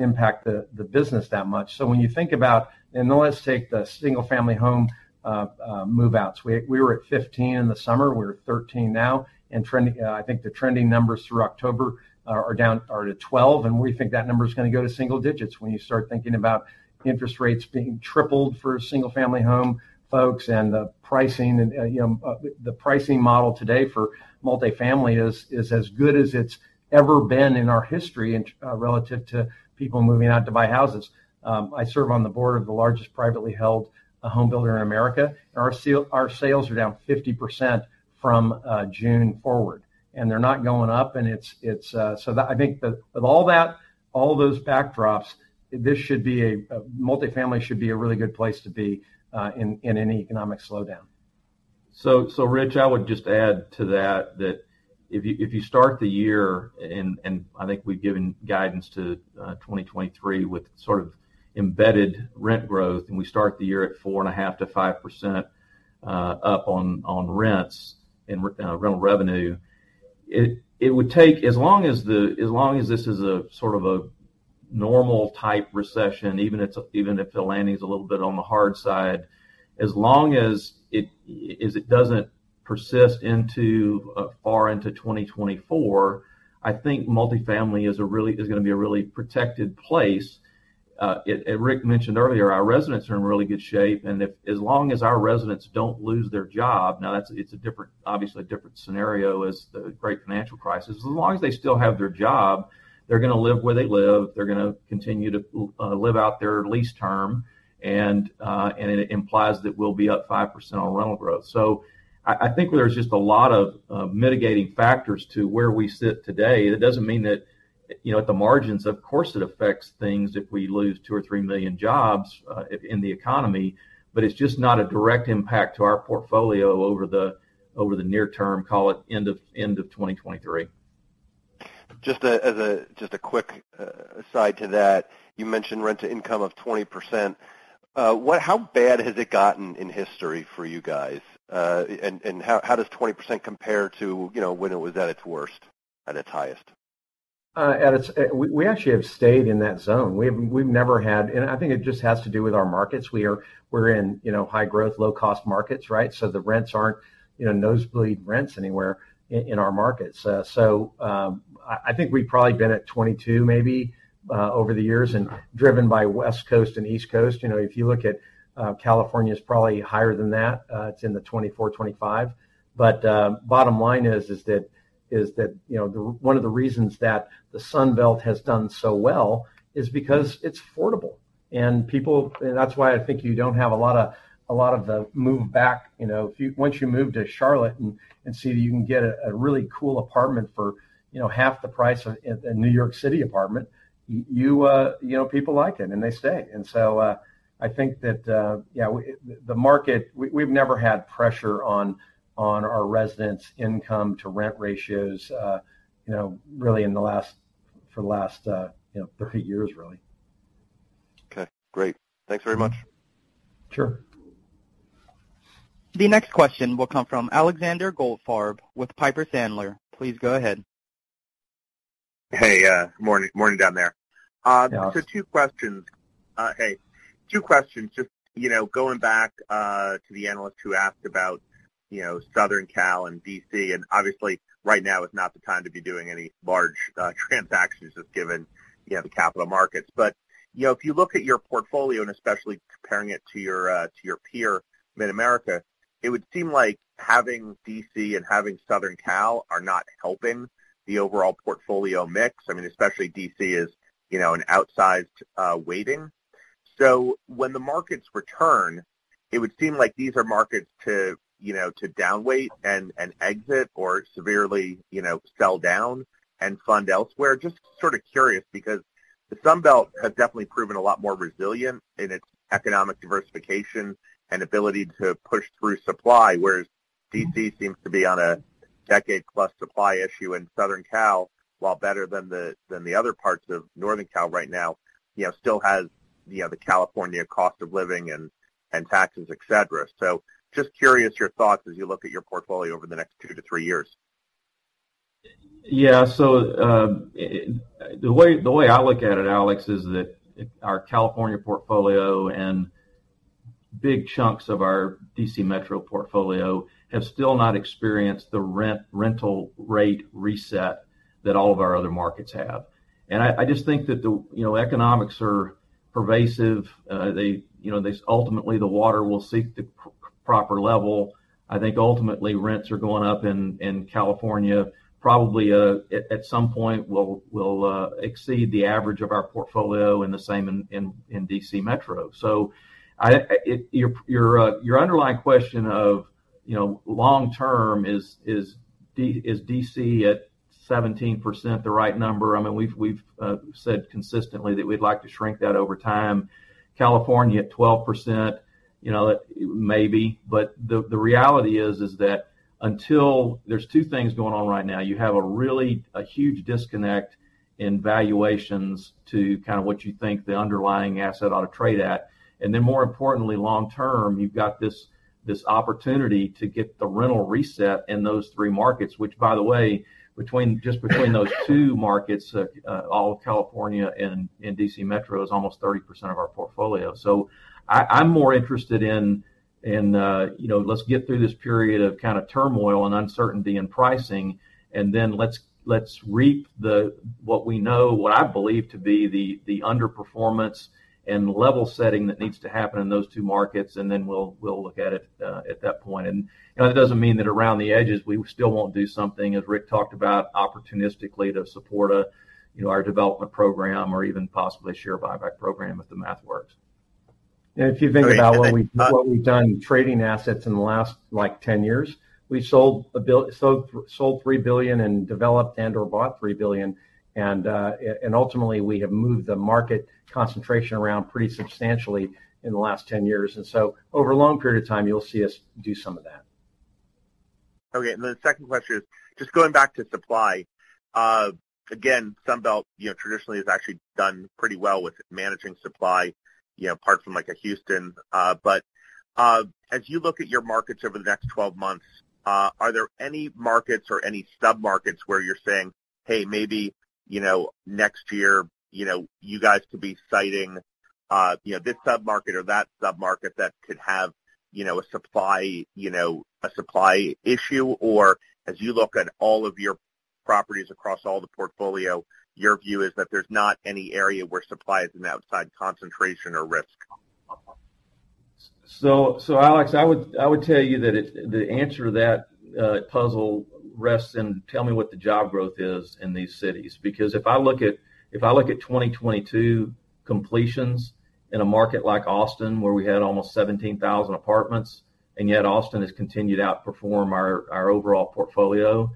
impact the business that much. So when you think about. Now let's take the single-family home move-outs. We were at 15% in the summer. We're at 13% now. I think the trending numbers through October are down to 12%, and we think that number is gonna go to single digits when you start thinking about interest rates being tripled for single-family home, folks, and the pricing, and, you know, the pricing model today for multifamily is as good as it's ever been in our history relative to people moving out to buy houses. I serve on the board of the largest privately held home builder in America, and our sales are down 50% from June forward, and they're not going up. With all that, all those backdrops, multifamily should be a really good place to be in any economic slowdown. Rich, I would just add to that if you start the year, and I think we've given guidance to 2023 with sort of embedded rent growth, and we start the year at 4.5%-5% up on rents and rental revenue, it would take. As long as this is a sort of a normal type recession, even if the landing is a little bit on the hard side, as long as it doesn't persist into far into 2024, I think multifamily is gonna be a really protected place. Ric mentioned earlier, our residents are in really good shape, and if, as long as our residents don't lose their job, now that's, it's a different, obviously a different scenario than the Great Financial Crisis. As long as they still have their job, they're gonna live where they live, they're gonna continue to live out their lease term, and it implies that we'll be up 5% on rental growth. I think there's just a lot of mitigating factors to where we sit today. That doesn't mean that you know, at the margins, of course, it affects things if we lose 2 million or 3 million jobs in the economy, but it's just not a direct impact to our portfolio over the near term, call it end of 2023. Just a quick aside to that, you mentioned rent to income of 20%. What, how bad has it gotten in history for you guys? And how does 20% compare to, you know, when it was at its worst, at its highest? We actually have stayed in that zone. We've never had. I think it just has to do with our markets. We're in, you know, high growth, low cost markets, right? So the rents aren't, you know, nosebleed rents anywhere in our markets. I think we've probably been at 22% maybe over the years and driven by West Coast and East Coast. You know, if you look at, California's probably higher than that, it's in the 24%-25%. Bottom line is that one of the reasons that the Sun Belt has done so well is because it's affordable. People. That's why I think you don't have a lot of the move back. You know, if once you move to Charlotte and see that you can get a really cool apartment for, you know, half the price of a New York City apartment, you know, people like it and they stay. I think that yeah, the market, we've never had pressure on our residents' income to rent ratios, you know, really for the last 30 years really. Okay, great. Thanks very much. Sure. The next question will come from Alexander Goldfarb with Piper Sandler. Please go ahead. Hey, morning down there. Yeah. Two questions. Just, you know, going back to the analyst who asked about, you know, Southern Cal and D.C., and obviously right now is not the time to be doing any large transactions just given, you know, the capital markets. You know, if you look at your portfolio, and especially comparing it to your, to your peer Mid-America, it would seem like having D.C. and having Southern Cal are not helping the overall portfolio mix. I mean, especially D.C. is, you know, an outsized weighting. When the markets return, it would seem like these are markets to, you know, to downweight and exit or severely, you know, sell down and fund elsewhere. Just sort of curious because the Sun Belt has definitely proven a lot more resilient in its economic diversification and ability to push through supply, whereas D.C. seems to be on a decade-plus supply issue in Southern Cal, while better than the other parts of Northern Cal right now, you know, still has, you know, the California cost of living and taxes, etc. Just curious your thoughts as you look at your portfolio over the next two to three years. The way I look at it, Alex, is that our California portfolio and big chunks of our D.C. metro portfolio have still not experienced the rental rate reset that all of our other markets have. I just think that the economics are pervasive. They, you know, ultimately the water will seek the proper level. I think ultimately rents are going up in California, probably at some point will exceed the average of our portfolio and the same in D.C. metro. Your underlying question of, you know, long term is D.C. at 17% the right number? I mean, we've said consistently that we'd like to shrink that over time. California at 12%, you know, maybe. The reality is that until there's two things going on right now. You have a really huge disconnect in valuations to kind of what you think the underlying asset ought to trade at. Then more importantly, long term, you've got this opportunity to get the rental reset in those three markets, which by the way, just between those two markets, all of California and D.C. Metro is almost 30% of our portfolio. I'm more interested in, you know, let's get through this period of kind of turmoil and uncertainty in pricing, and then let's reap what we know, what I believe to be the underperformance and level setting that needs to happen in those two markets, and then we'll look at it at that point. You know, that doesn't mean that around the edges, we still won't do something, as Ric talked about, opportunistically to support, you know, our development program or even possibly share buyback program if the math works. Great. If you think about what we've done trading assets in the last like 10 years, we sold $3 billion and developed and/or bought $3 billion. Ultimately, we have moved the market concentration around pretty substantially in the last 10 years. Over a long period of time, you'll see us do some of that. Okay. The second question is just going back to supply. Again, Sun Belt, you know, traditionally has actually done pretty well with managing supply, you know, apart from like a Houston. As you look at your markets over the next 12 months, are there any markets or any submarkets where you're saying, "Hey, maybe, you know, next year, you know, you guys could be citing, you know, this submarket or that submarket that could have, you know, a supply, you know, a supply issue?" Or as you look at all of your properties across all the portfolio, your view is that there's not any area where supply is an outsized concentration or risk? Alex, I would tell you that the answer to that puzzle rests in tell me what the job growth is in these cities. Because if I look at 2022 completions in a market like Austin, where we had almost 17,000 apartments. Yet Austin has continued to outperform our overall portfolio.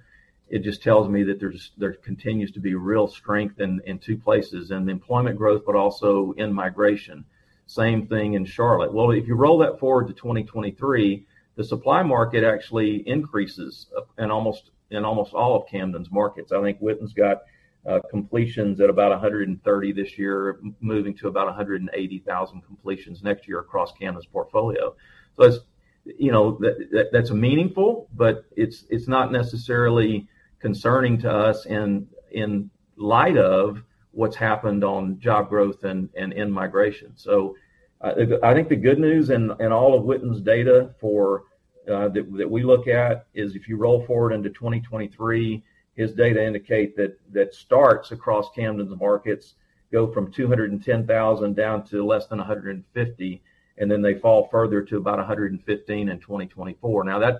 It just tells me that there's continues to be real strength in two places, in the employment growth, but also in migration. Same thing in Charlotte. If you roll that forward to 2023, the supply market actually increases in almost all of Camden's markets. I think Witten's got completions at about 130 this year, moving to about 180,000 completions next year across Camden's portfolio. That's meaningful, but it's not necessarily concerning to us in light of what's happened on job growth and in-migration. I think the good news and all of Witten's data that we look at is if you roll forward into 2023, his data indicate that starts across Camden's markets go from 210,000 down to less than 150, and then they fall further to about 115 in 2024. Now, that's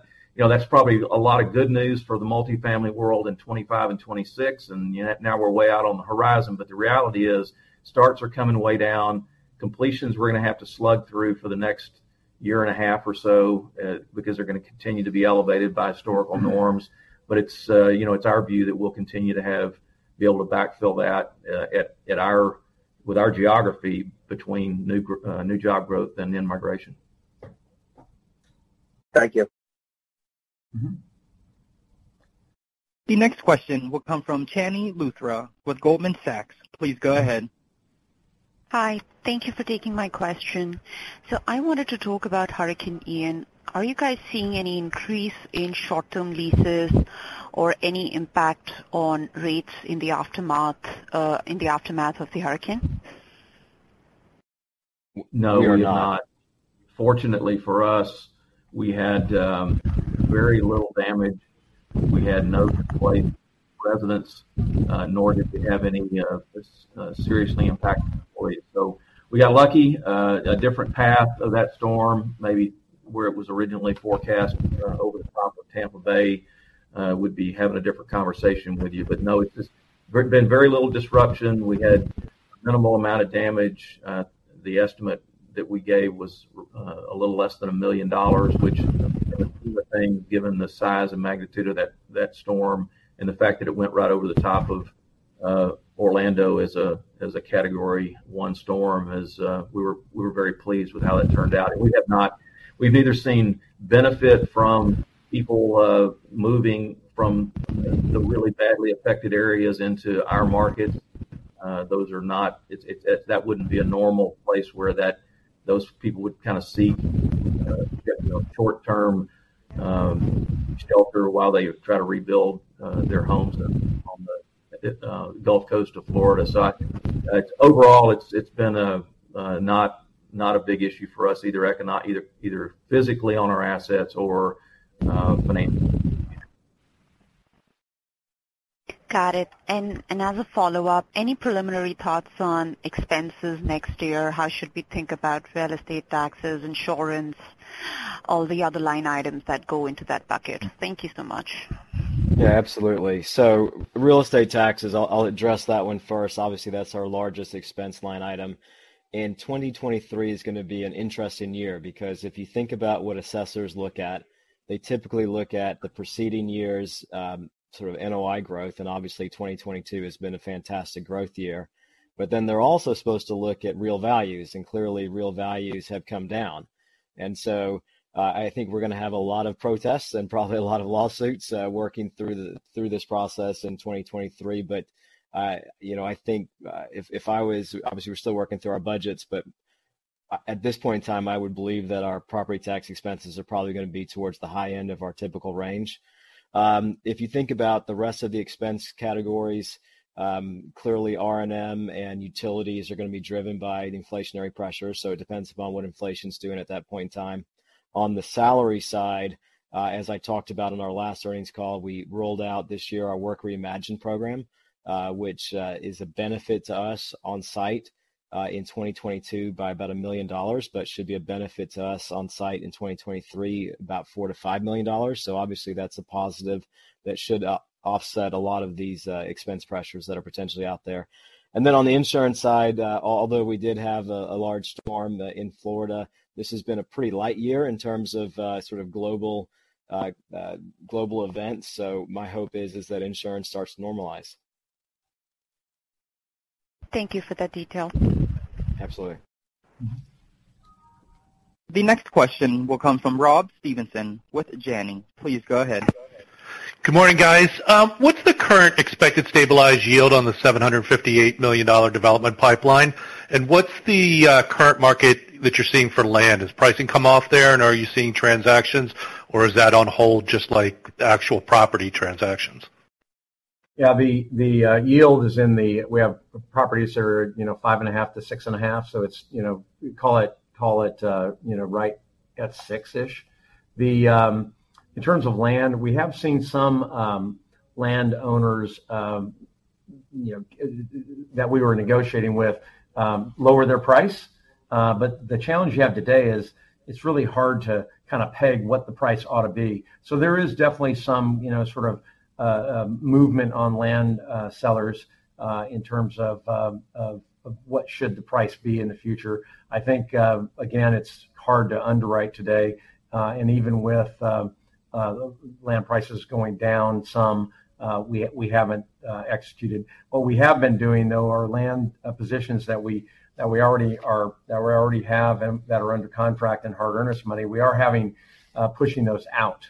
probably a lot of good news for the multi-family world in 2025 and 2026, now we're way out on the horizon. The reality is starts are coming way down. Completions, we're gonna have to slug through for the next year and a half or so, because they're gonna continue to be elevated by historical norms. It's, you know, it's our view that we'll continue to be able to backfill that, with our geography between new job growth and in-migration. Thank you. Mm-hmm. The next question will come from Chandni Luthra with Goldman Sachs. Please go ahead. Hi. Thank you for taking my question. I wanted to talk about Hurricane Ian. Are you guys seeing any increase in short-term leases or any impact on rates in the aftermath of the hurricane? No, we are not. We are not. Fortunately for us, we had very little damage. We had no displaced residents, nor did we have any seriously impacted employees. We got lucky. A different path of that storm, maybe where it was originally forecast over the top of Tampa Bay, we'd be having a different conversation with you. No, it's just been very little disruption. We had minimal amount of damage. The estimate that we gave was a little less than $1 million, which given the size and magnitude of that storm and the fact that it went right over the top of Orlando as a Category One storm. We were very pleased with how that turned out. We've neither seen benefit from people moving from the really badly affected areas into our markets. That wouldn't be a normal place where those people would kind of seek, you know, short-term shelter while they try to rebuild their homes on the Gulf Coast of Florida. Overall, it's been not a big issue for us, either physically on our assets or financially. Got it. As a follow-up, any preliminary thoughts on expenses next year? How should we think about real estate taxes, insurance, all the other line items that go into that bucket? Thank you so much. Yeah, absolutely. Real estate taxes, I'll address that one first. Obviously, that's our largest expense line item. 2023 is gonna be an interesting year because if you think about what assessors look at, they typically look at the preceding year's sort of NOI growth, and obviously 2022 has been a fantastic growth year. They're also supposed to look at real values, and clearly real values have come down. I think we're gonna have a lot of protests and probably a lot of lawsuits working through this process in 2023. You know, I think if I was. Obviously, we're still working through our budgets, but at this point in time, I would believe that our property tax expenses are probably gonna be towards the high end of our typical range. If you think about the rest of the expense categories, clearly R&M and utilities are gonna be driven by the inflationary pressures, so it depends upon what inflation's doing at that point in time. On the salary side, as I talked about on our last earnings call, we rolled out this year our Work Reimagined program, which is a benefit to us on site in 2022 by about $1 million, but should be a benefit to us on site in 2023 about $4 million-$5 million. Obviously that's a positive that should offset a lot of these expense pressures that are potentially out there. Then on the insurance side, although we did have a large storm in Florida, this has been a pretty light year in terms of sort of global events. My hope is that insurance starts to normalize. Thank you for that detail. Absolutely. Mm-hmm. The next question will come from Rob Stevenson with Janney. Please go ahead. Good morning, guys. What's the current expected stabilized yield on the $758 million development pipeline? What's the current market that you're seeing for land? Has pricing come off there and are you seeing transactions or is that on hold just like actual property transactions? Yeah. The yield is in the. We have properties that are, you know, 5.5%-6.5%, so it's, you know. Call it, you know, right at 6%-ish. In terms of land, we have seen some landowners. You know that we were negotiating with lower their price. The challenge you have today is it's really hard to kind of peg what the price ought to be. There is definitely some, you know, sort of movement on land sellers in terms of what should the price be in the future. I think again, it's hard to underwrite today and even with land prices going down some we haven't executed. What we have been doing, though, our land positions that we already have and that are under contract and hard earnest money, we are pushing those out.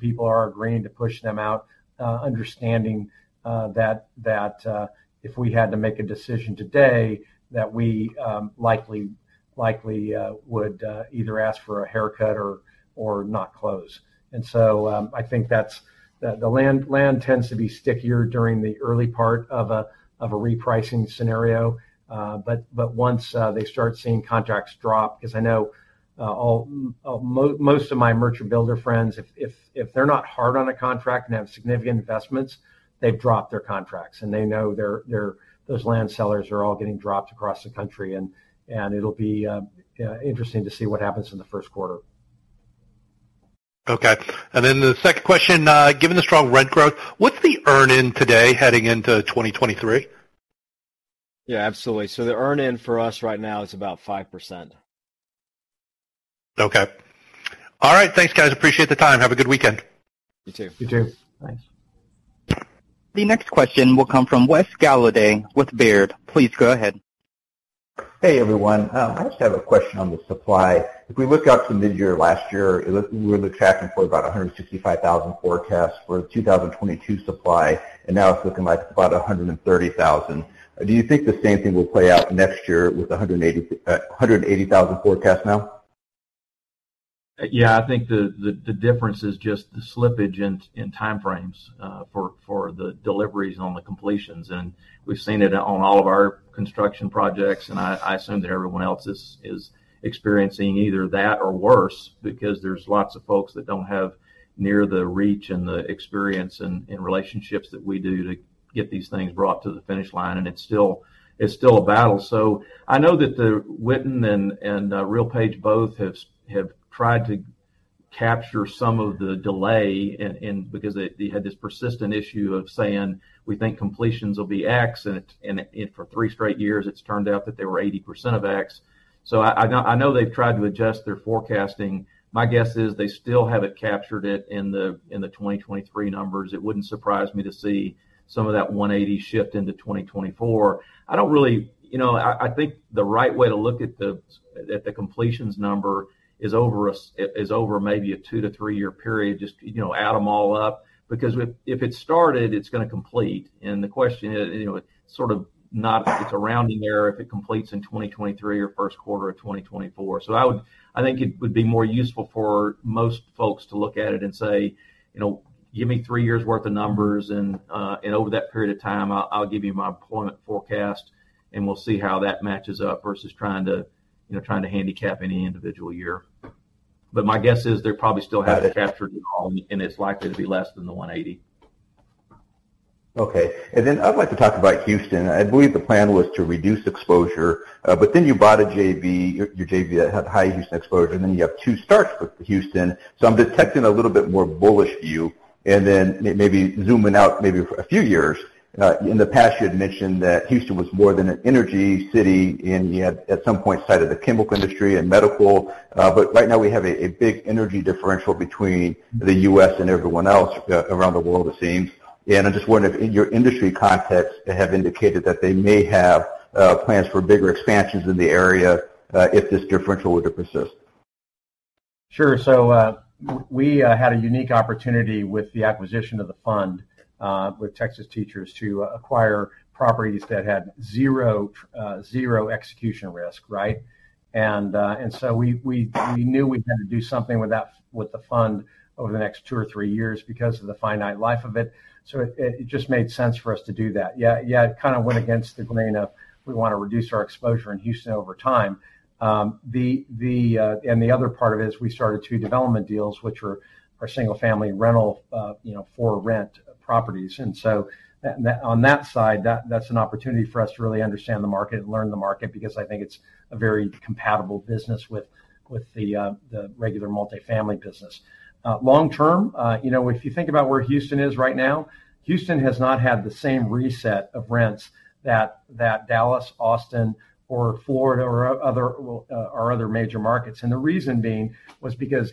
People are agreeing to push them out, understanding that if we had to make a decision today, that we likely would either ask for a haircut or not close. I think that's. The land tends to be stickier during the early part of a repricing scenario. Once they start seeing contracts drop. Because I know almost all of my merchant builder friends, if they're not hard on a contract and have significant investments, they've dropped their contracts. They know that those land sellers are all getting dropped across the country. It'll be interesting to see what happens in the first quarter. Okay. The second question. Given the strong rent growth, what's the earn-in today heading into 2023? Yeah. Absolutely. The earn-in for us right now is about 5%. Okay. All right. Thanks, guys. Appreciate the time. Have a good weekend. You too. You too. Thanks. The next question will come from Wes Golladay with Baird. Please go ahead. Hey, everyone. I just have a question on the supply. If we look out to midyear last year, we were tracking for about 165,000 forecast for the 2022 supply, and now it's looking like about 130,000. Do you think the same thing will play out next year with a 180,000 forecast now? Yeah. I think the difference is just the slippage in time frames for the deliveries on the completions. We've seen it on all of our construction projects, and I assume that everyone else is experiencing either that or worse because there's lots of folks that don't have near the reach and the experience and relationships that we do to get these things brought to the finish line, and it's still a battle. I know that the Witten and RealPage both have tried to capture some of the delay and because they had this persistent issue of saying, "We think completions will be X." For three straight years, it's turned out that they were 80% of X. I know they've tried to adjust their forecasting. My guess is they still haven't captured it in the 2023 numbers. It wouldn't surprise me to see some of that 180 shift into 2024. I don't really. You know, I think the right way to look at the completions number is over maybe a two to three-year period. Just, you know, add them all up. Because if it's started, it's gonna complete. The question is, you know, sort of not if it's a rounding error if it completes in 2023 or first quarter of 2024. I would. I think it would be more useful for most folks to look at it and say, "You know, give me three years' worth of numbers and and over that period of time, I'll give you my employment forecast, and we'll see how that matches up," versus trying to, you know, trying to handicap any individual year. My guess is they probably still haven't captured it all, and it's likely to be less than the 180. Okay. I'd like to talk about Houston. I believe the plan was to reduce exposure, but then you bought a JV, your JV that had high Houston exposure, and then you have two starts with Houston. I'm detecting a little bit more bullish view. Maybe zooming out maybe a few years, in the past you had mentioned that Houston was more than an energy city, and you had at some point cited the chemical industry and medical. But right now we have a big energy differential between the U.S. and everyone else around the world, it seems. I just wonder if your industry contacts have indicated that they may have plans for bigger expansions in the area, if this differential were to persist. Sure. We had a unique opportunity with the acquisition of the fund with Texas Teachers to acquire properties that had zero execution risk, right? We knew we had to do something with that, with the fund over the next two or three years because of the finite life of it, so it just made sense for us to do that. Yeah, it kind of went against the grain of we want to reduce our exposure in Houston over time. The other part of it is we started two development deals, which were our single-family rental, you know, for rent properties. That on that side, that's an opportunity for us to really understand the market and learn the market because I think it's a very compatible business with the regular multifamily business. Long-term, you know, if you think about where Houston is right now, Houston has not had the same reset of rents that Dallas, Austin, or Florida or other major markets. The reason being was because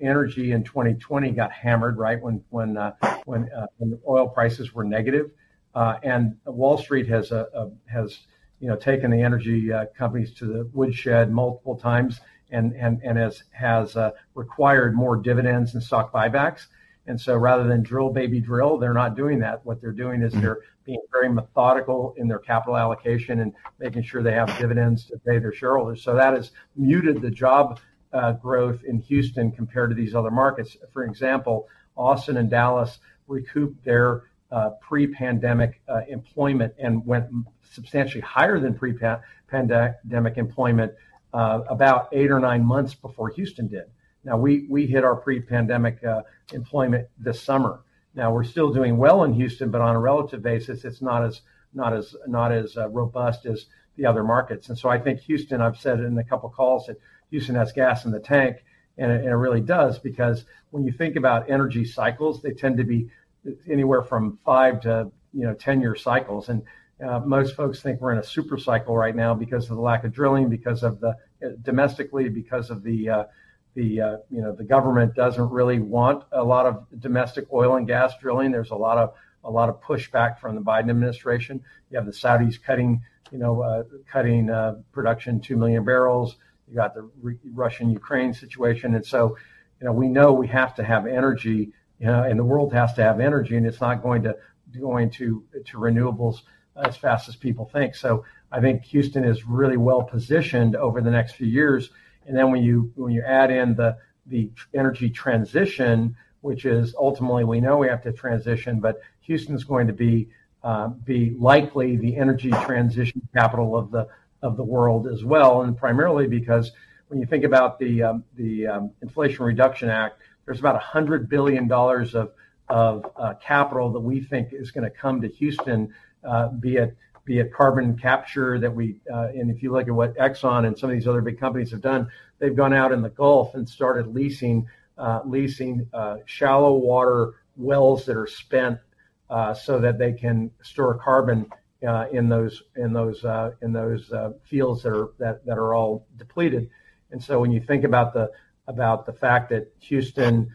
energy in 2020 got hammered, right? When oil prices were negative. Wall Street has, you know, taken the energy companies to the woodshed multiple times and has required more dividends and stock buybacks. Rather than drill, baby, drill, they're not doing that. What they're doing is they're being very methodical in their capital allocation and making sure they have dividends to pay their shareholders. That has muted the job growth in Houston compared to these other markets. For example, Austin and Dallas recouped their pre-pandemic employment and went substantially higher than pre-pandemic employment about eight or nine months before Houston did. Now, we hit our pre-pandemic employment this summer. Now, we're still doing well in Houston, but on a relative basis, it's not as robust as the other markets. I think Houston. I've said in a couple calls that Houston has gas in the tank, and it really does because when you think about energy cycles, they tend to be anywhere from five to, you know, ten-year cycles. Most folks think we're in a super cycle right now because of the lack of drilling domestically because the government doesn't really want a lot of domestic oil and gas drilling. There's a lot of pushback from the Biden administration. You have the Saudis cutting production 2 million bbl. You got the Russian-Ukraine situation. You know, we know we have to have energy, and the world has to have energy, and it's not going to renewables as fast as people think. I think Houston is really well positioned over the next few years. When you add in the energy transition, which is ultimately we know we have to transition, but Houston's going to be likely the energy transition capital of the world as well. Primarily because when you think about the Inflation Reduction Act, there's about $100 billion of capital that we think is gonna come to Houston, be it carbon capture that we. If you look at what Exxon and some of these other big companies have done, they've gone out in the Gulf and started leasing shallow water wells that are spent, so that they can store carbon in those fields that are all depleted. When you think about the fact that Houston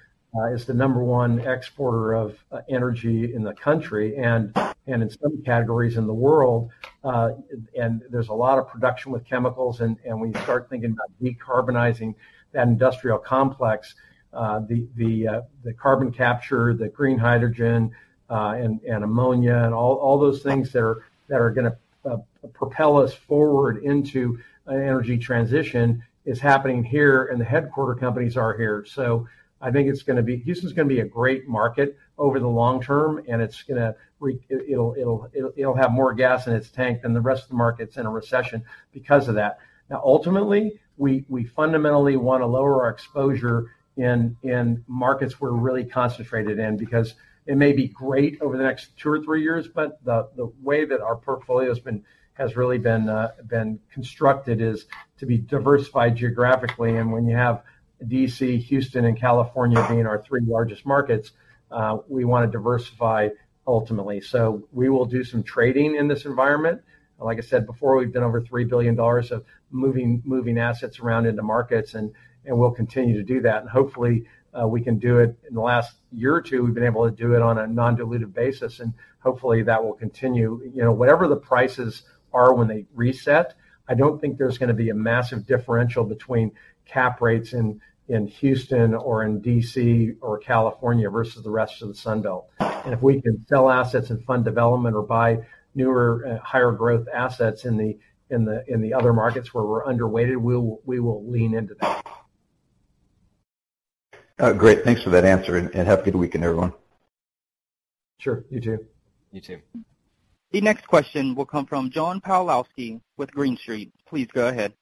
is the number one exporter of energy in the country and in some categories in the world, and there's a lot of production with chemicals. When you start thinking about decarbonizing that industrial complex, the carbon capture, the green hydrogen, and ammonia and all those things that are gonna propel us forward into an energy transition is happening here, and the headquarters companies are here. I think it's gonna be Houston's gonna be a great market over the long term, and it'll have more gas in its tank than the rest of the markets in a recession because of that. Now ultimately, we fundamentally wanna lower our exposure in markets we're really concentrated in because it may be great over the next two or three years, but the way that our portfolio's been constructed is to be diversified geographically. When you have D.C., Houston, and California being our three largest markets, we wanna diversify ultimately. We will do some trading in this environment. Like I said before, we've done over $3 billion of moving assets around into markets, and we'll continue to do that. Hopefully, we can do it. In the last year or two, we've been able to do it on a non-dilutive basis, and hopefully, that will continue. You know, whatever the prices are when they reset, I don't think there's gonna be a massive differential between cap rates in Houston or in D.C. or California versus the rest of the Sun Belt. If we can sell assets and fund development or buy newer higher growth assets in the other markets where we're underweighted, we will lean into that. Great. Thanks for that answer, and happy weekend everyone. Sure. You too. You too. The next question will come from John Pawlowski with Green Street. Please go ahead.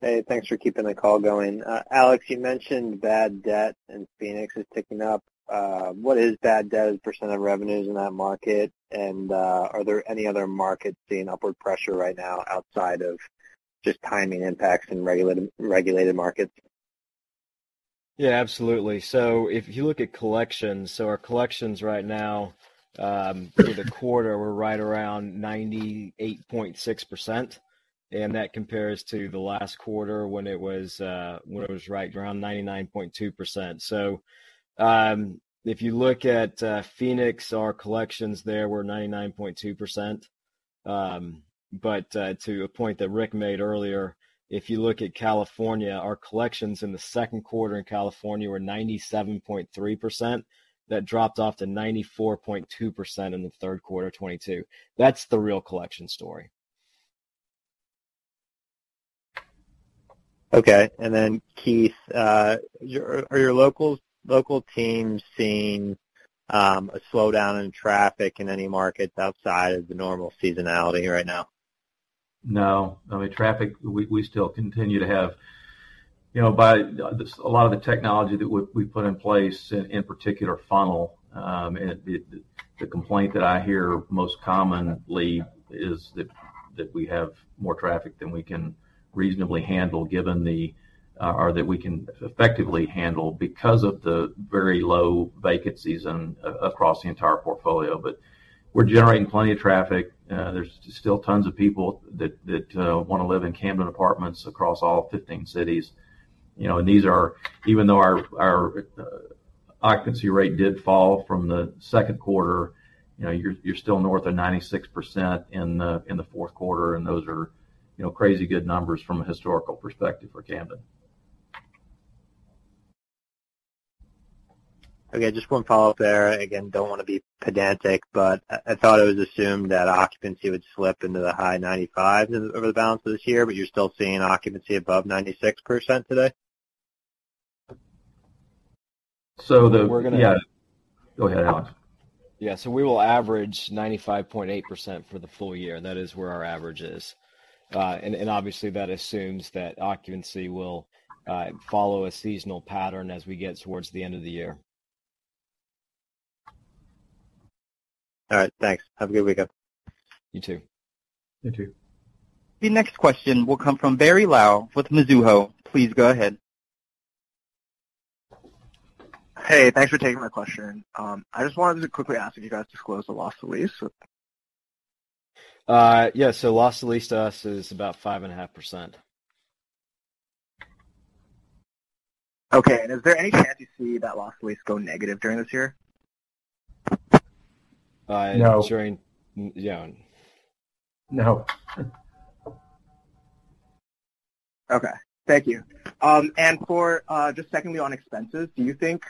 Hey, thanks for keeping the call going. Alex, you mentioned bad debt in Phoenix is ticking up. What is bad debt as a percent of revenues in that market? Are there any other markets seeing upward pressure right now outside of just timing impacts in regulated markets? Yeah, absolutely. If you look at collections, our collections right now for the quarter were right around 98.6%, and that compares to the last quarter when it was right around 99.2%. If you look at Phoenix, our collections there were 99.2%. But to a point that Ric made earlier, if you look at California, our collections in the second quarter in California were 97.3%. That dropped off to 94.2% in the third quarter of 2022. That's the real collection story. Keith, are your local teams seeing a slowdown in traffic in any markets outside of the normal seasonality right now? No. I mean, traffic, we still continue to have. You know, a lot of the technology that we put in place, in particular Funnel. The complaint that I hear most commonly is that we have more traffic than we can reasonably handle or that we can effectively handle because of the very low vacancies across the entire portfolio. We're generating plenty of traffic. There's still tons of people that wanna live in Camden apartments across all 15 cities. You know, even though our occupancy rate did fall from the second quarter, you know, you're still north of 96% in the fourth quarter, and those are, you know, crazy good numbers from a historical perspective for Camden. Okay, just one follow-up there. Again, don't wanna be pedantic, but I thought it was assumed that occupancy would slip into the high 95s over the balance of this year, but you're still seeing occupancy above 96% today? So the- We're gonna- Yeah. Go ahead, Alex. Yeah. We will average 95.8% for the full year. That is where our average is. And obviously, that assumes that occupancy will follow a seasonal pattern as we get towards the end of the year. All right. Thanks. Have a good weekend. You too. You too. The next question will come from Barry Luo with Mizuho. Please go ahead. Hey, thanks for taking my question. I just wanted to quickly ask if you guys disclosed the loss to lease with? Loss to lease to us is about 5.5%. Okay. Is there any chance you see that loss to lease go negative during this year? Uh, during- No. Yeah. No. Okay. Thank you. For just secondly on expenses, do you think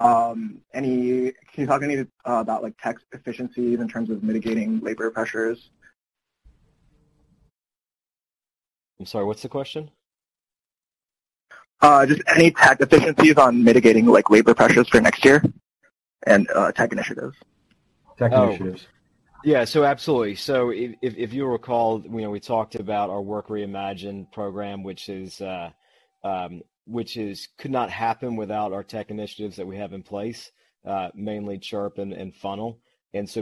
any? Can you talk any about like tax efficiencies in terms of mitigating labor pressures? I'm sorry, what's the question? Just any tax efficiencies on mitigating like labor pressures for next year and tech initiatives? Tech initiatives. Absolutely. If you recall, you know, we talked about our Work Reimagined program, which could not happen without our tech initiatives that we have in place, mainly Chirp and Funnel.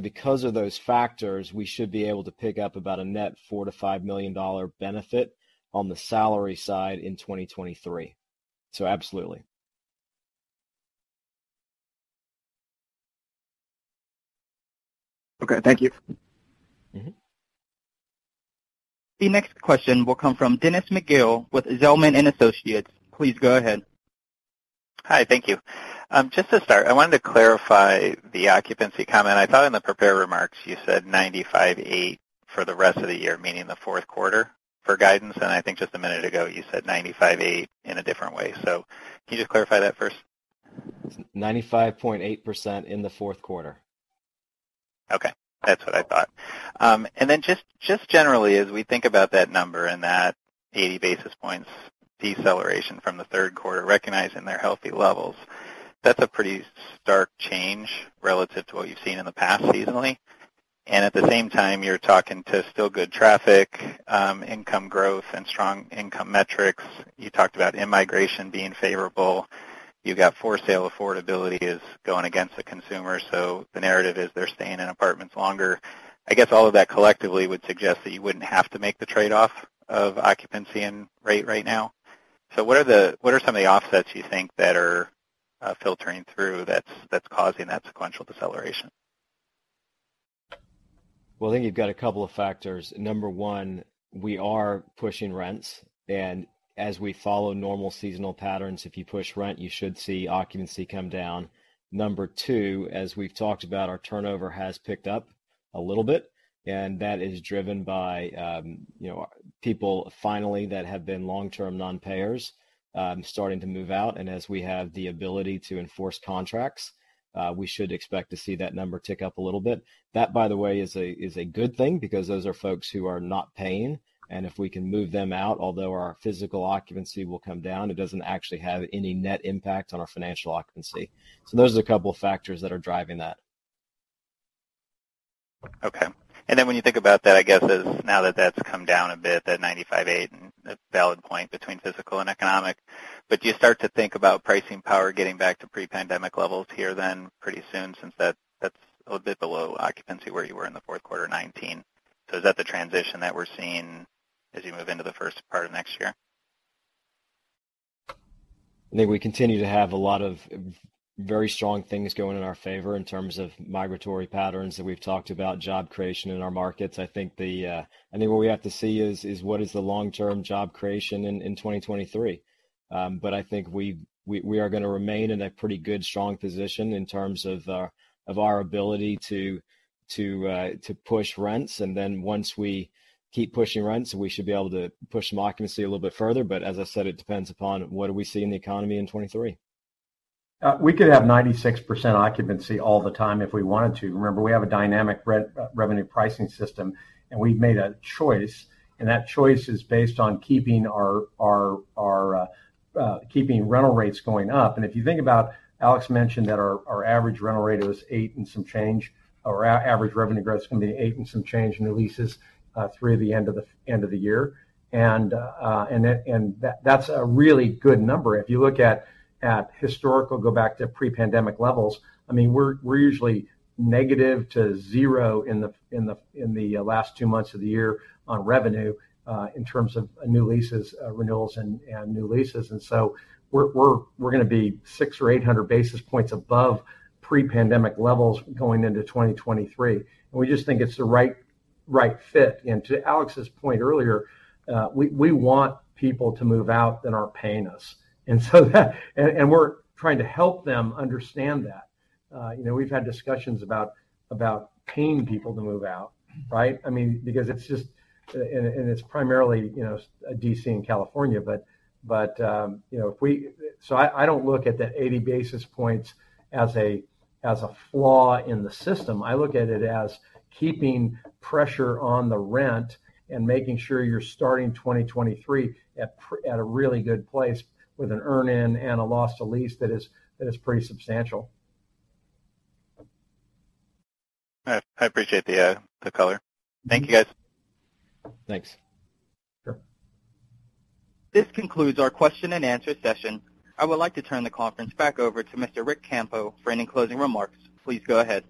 Because of those factors, we should be able to pick up about a net $4 million-$5 million benefit on the salary side in 2023. Absolutely. Okay. Thank you. Mm-hmm. The next question will come from Dennis McGill with Zelman & Associates. Please go ahead. Hi. Thank you. Just to start, I wanted to clarify the occupancy comment. I thought in the prepared remarks you said 95.8% for the rest of the year, meaning the fourth quarter for guidance, and I think just a minute ago you said 95.8% in a different way. Can you just clarify that first? 95.8% in the fourth quarter. Okay. That's what I thought. Just generally as we think about that number and that 80 basis points deceleration from the third quarter, recognizing they're healthy levels, that's a pretty stark change relative to what you've seen in the past seasonally. At the same time, you're talking about still good traffic, income growth and strong income metrics. You talked about in-migration being favorable. You got for-sale affordability is going against the consumer, so the narrative is they're staying in apartments longer. I guess all of that collectively would suggest that you wouldn't have to make the trade-off of occupancy and rate right now. What are some of the offsets you think that are filtering through that's causing that sequential deceleration? Well, I think you've got a couple of factors. Number one, we are pushing rents, and as we follow normal seasonal patterns, if you push rent, you should see occupancy come down. Number two, as we've talked about, our turnover has picked up a little bit, and that is driven by, you know, people finally that have been long-term non-payers, starting to move out. As we have the ability to enforce contracts, we should expect to see that number tick up a little bit. That, by the way, is a good thing because those are folks who are not paying, and if we can move them out, although our physical occupancy will come down, it doesn't actually have any net impact on our financial occupancy. Those are a couple of factors that are driving that. Okay. When you think about that, I guess is now that that's come down a bit, that 95.8% and a half point between physical and economic, but do you start to think about pricing power getting back to pre-pandemic levels here then pretty soon since that's a bit below occupancy where you were in the fourth quarter 2019? Is that the transition that we're seeing as you move into the first part of next year? I think we continue to have a lot of very strong things going in our favor in terms of migratory patterns that we've talked about, job creation in our markets. I think what we have to see is what is the long-term job creation in 2023. I think we are gonna remain in a pretty good, strong position in terms of our ability to push rents. Once we keep pushing rents, we should be able to push some occupancy a little bit further. As I said, it depends upon what do we see in the economy in 2023. We could have 96% occupancy all the time if we wanted to. Remember, we have a dynamic revenue pricing system, and we've made a choice, and that choice is based on keeping rental rates going up. If you think about Alex mentioned that our average rental rate was eight and some change, or our average revenue growth is gonna be eight and some change, new leases through the end of the year. That's a really good number. If you look at historical, go back to pre-pandemic levels, I mean, we're usually negative to zero in the last two months of the year on revenue in terms of new leases, renewals and new leases. We're gonna be 600 or 800 basis points above pre-pandemic levels going into 2023. We just think it's the right fit. To Alex's point earlier, we want people to move out that aren't paying us. We're trying to help them understand that. You know, we've had discussions about paying people to move out, right? I mean, because it's just and it's primarily, you know, D.C. and California. You know, I don't look at the 80 basis points as a flaw in the system. I look at it as keeping pressure on the rent and making sure you're starting 2023 at a really good place with an earn-in and a loss to lease that is pretty substantial. All right. I appreciate the color. Thank you, guys. Thanks. Sure. This concludes our question and answer session. I would like to turn the conference back over to Mr. Ric Campo for any closing remarks. Please go ahead.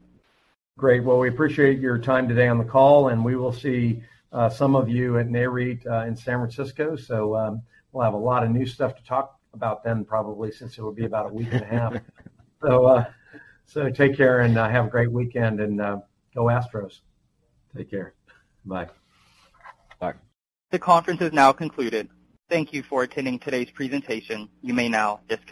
Great. Well, we appreciate your time today on the call, and we will see some of you at Nareit in San Francisco. We'll have a lot of new stuff to talk about then, probably since it will be about a week and a half. Take care and have a great weekend and go Astros. Take care. Bye. Bye. The conference is now concluded. Thank you for attending today's presentation. You may now disconnect.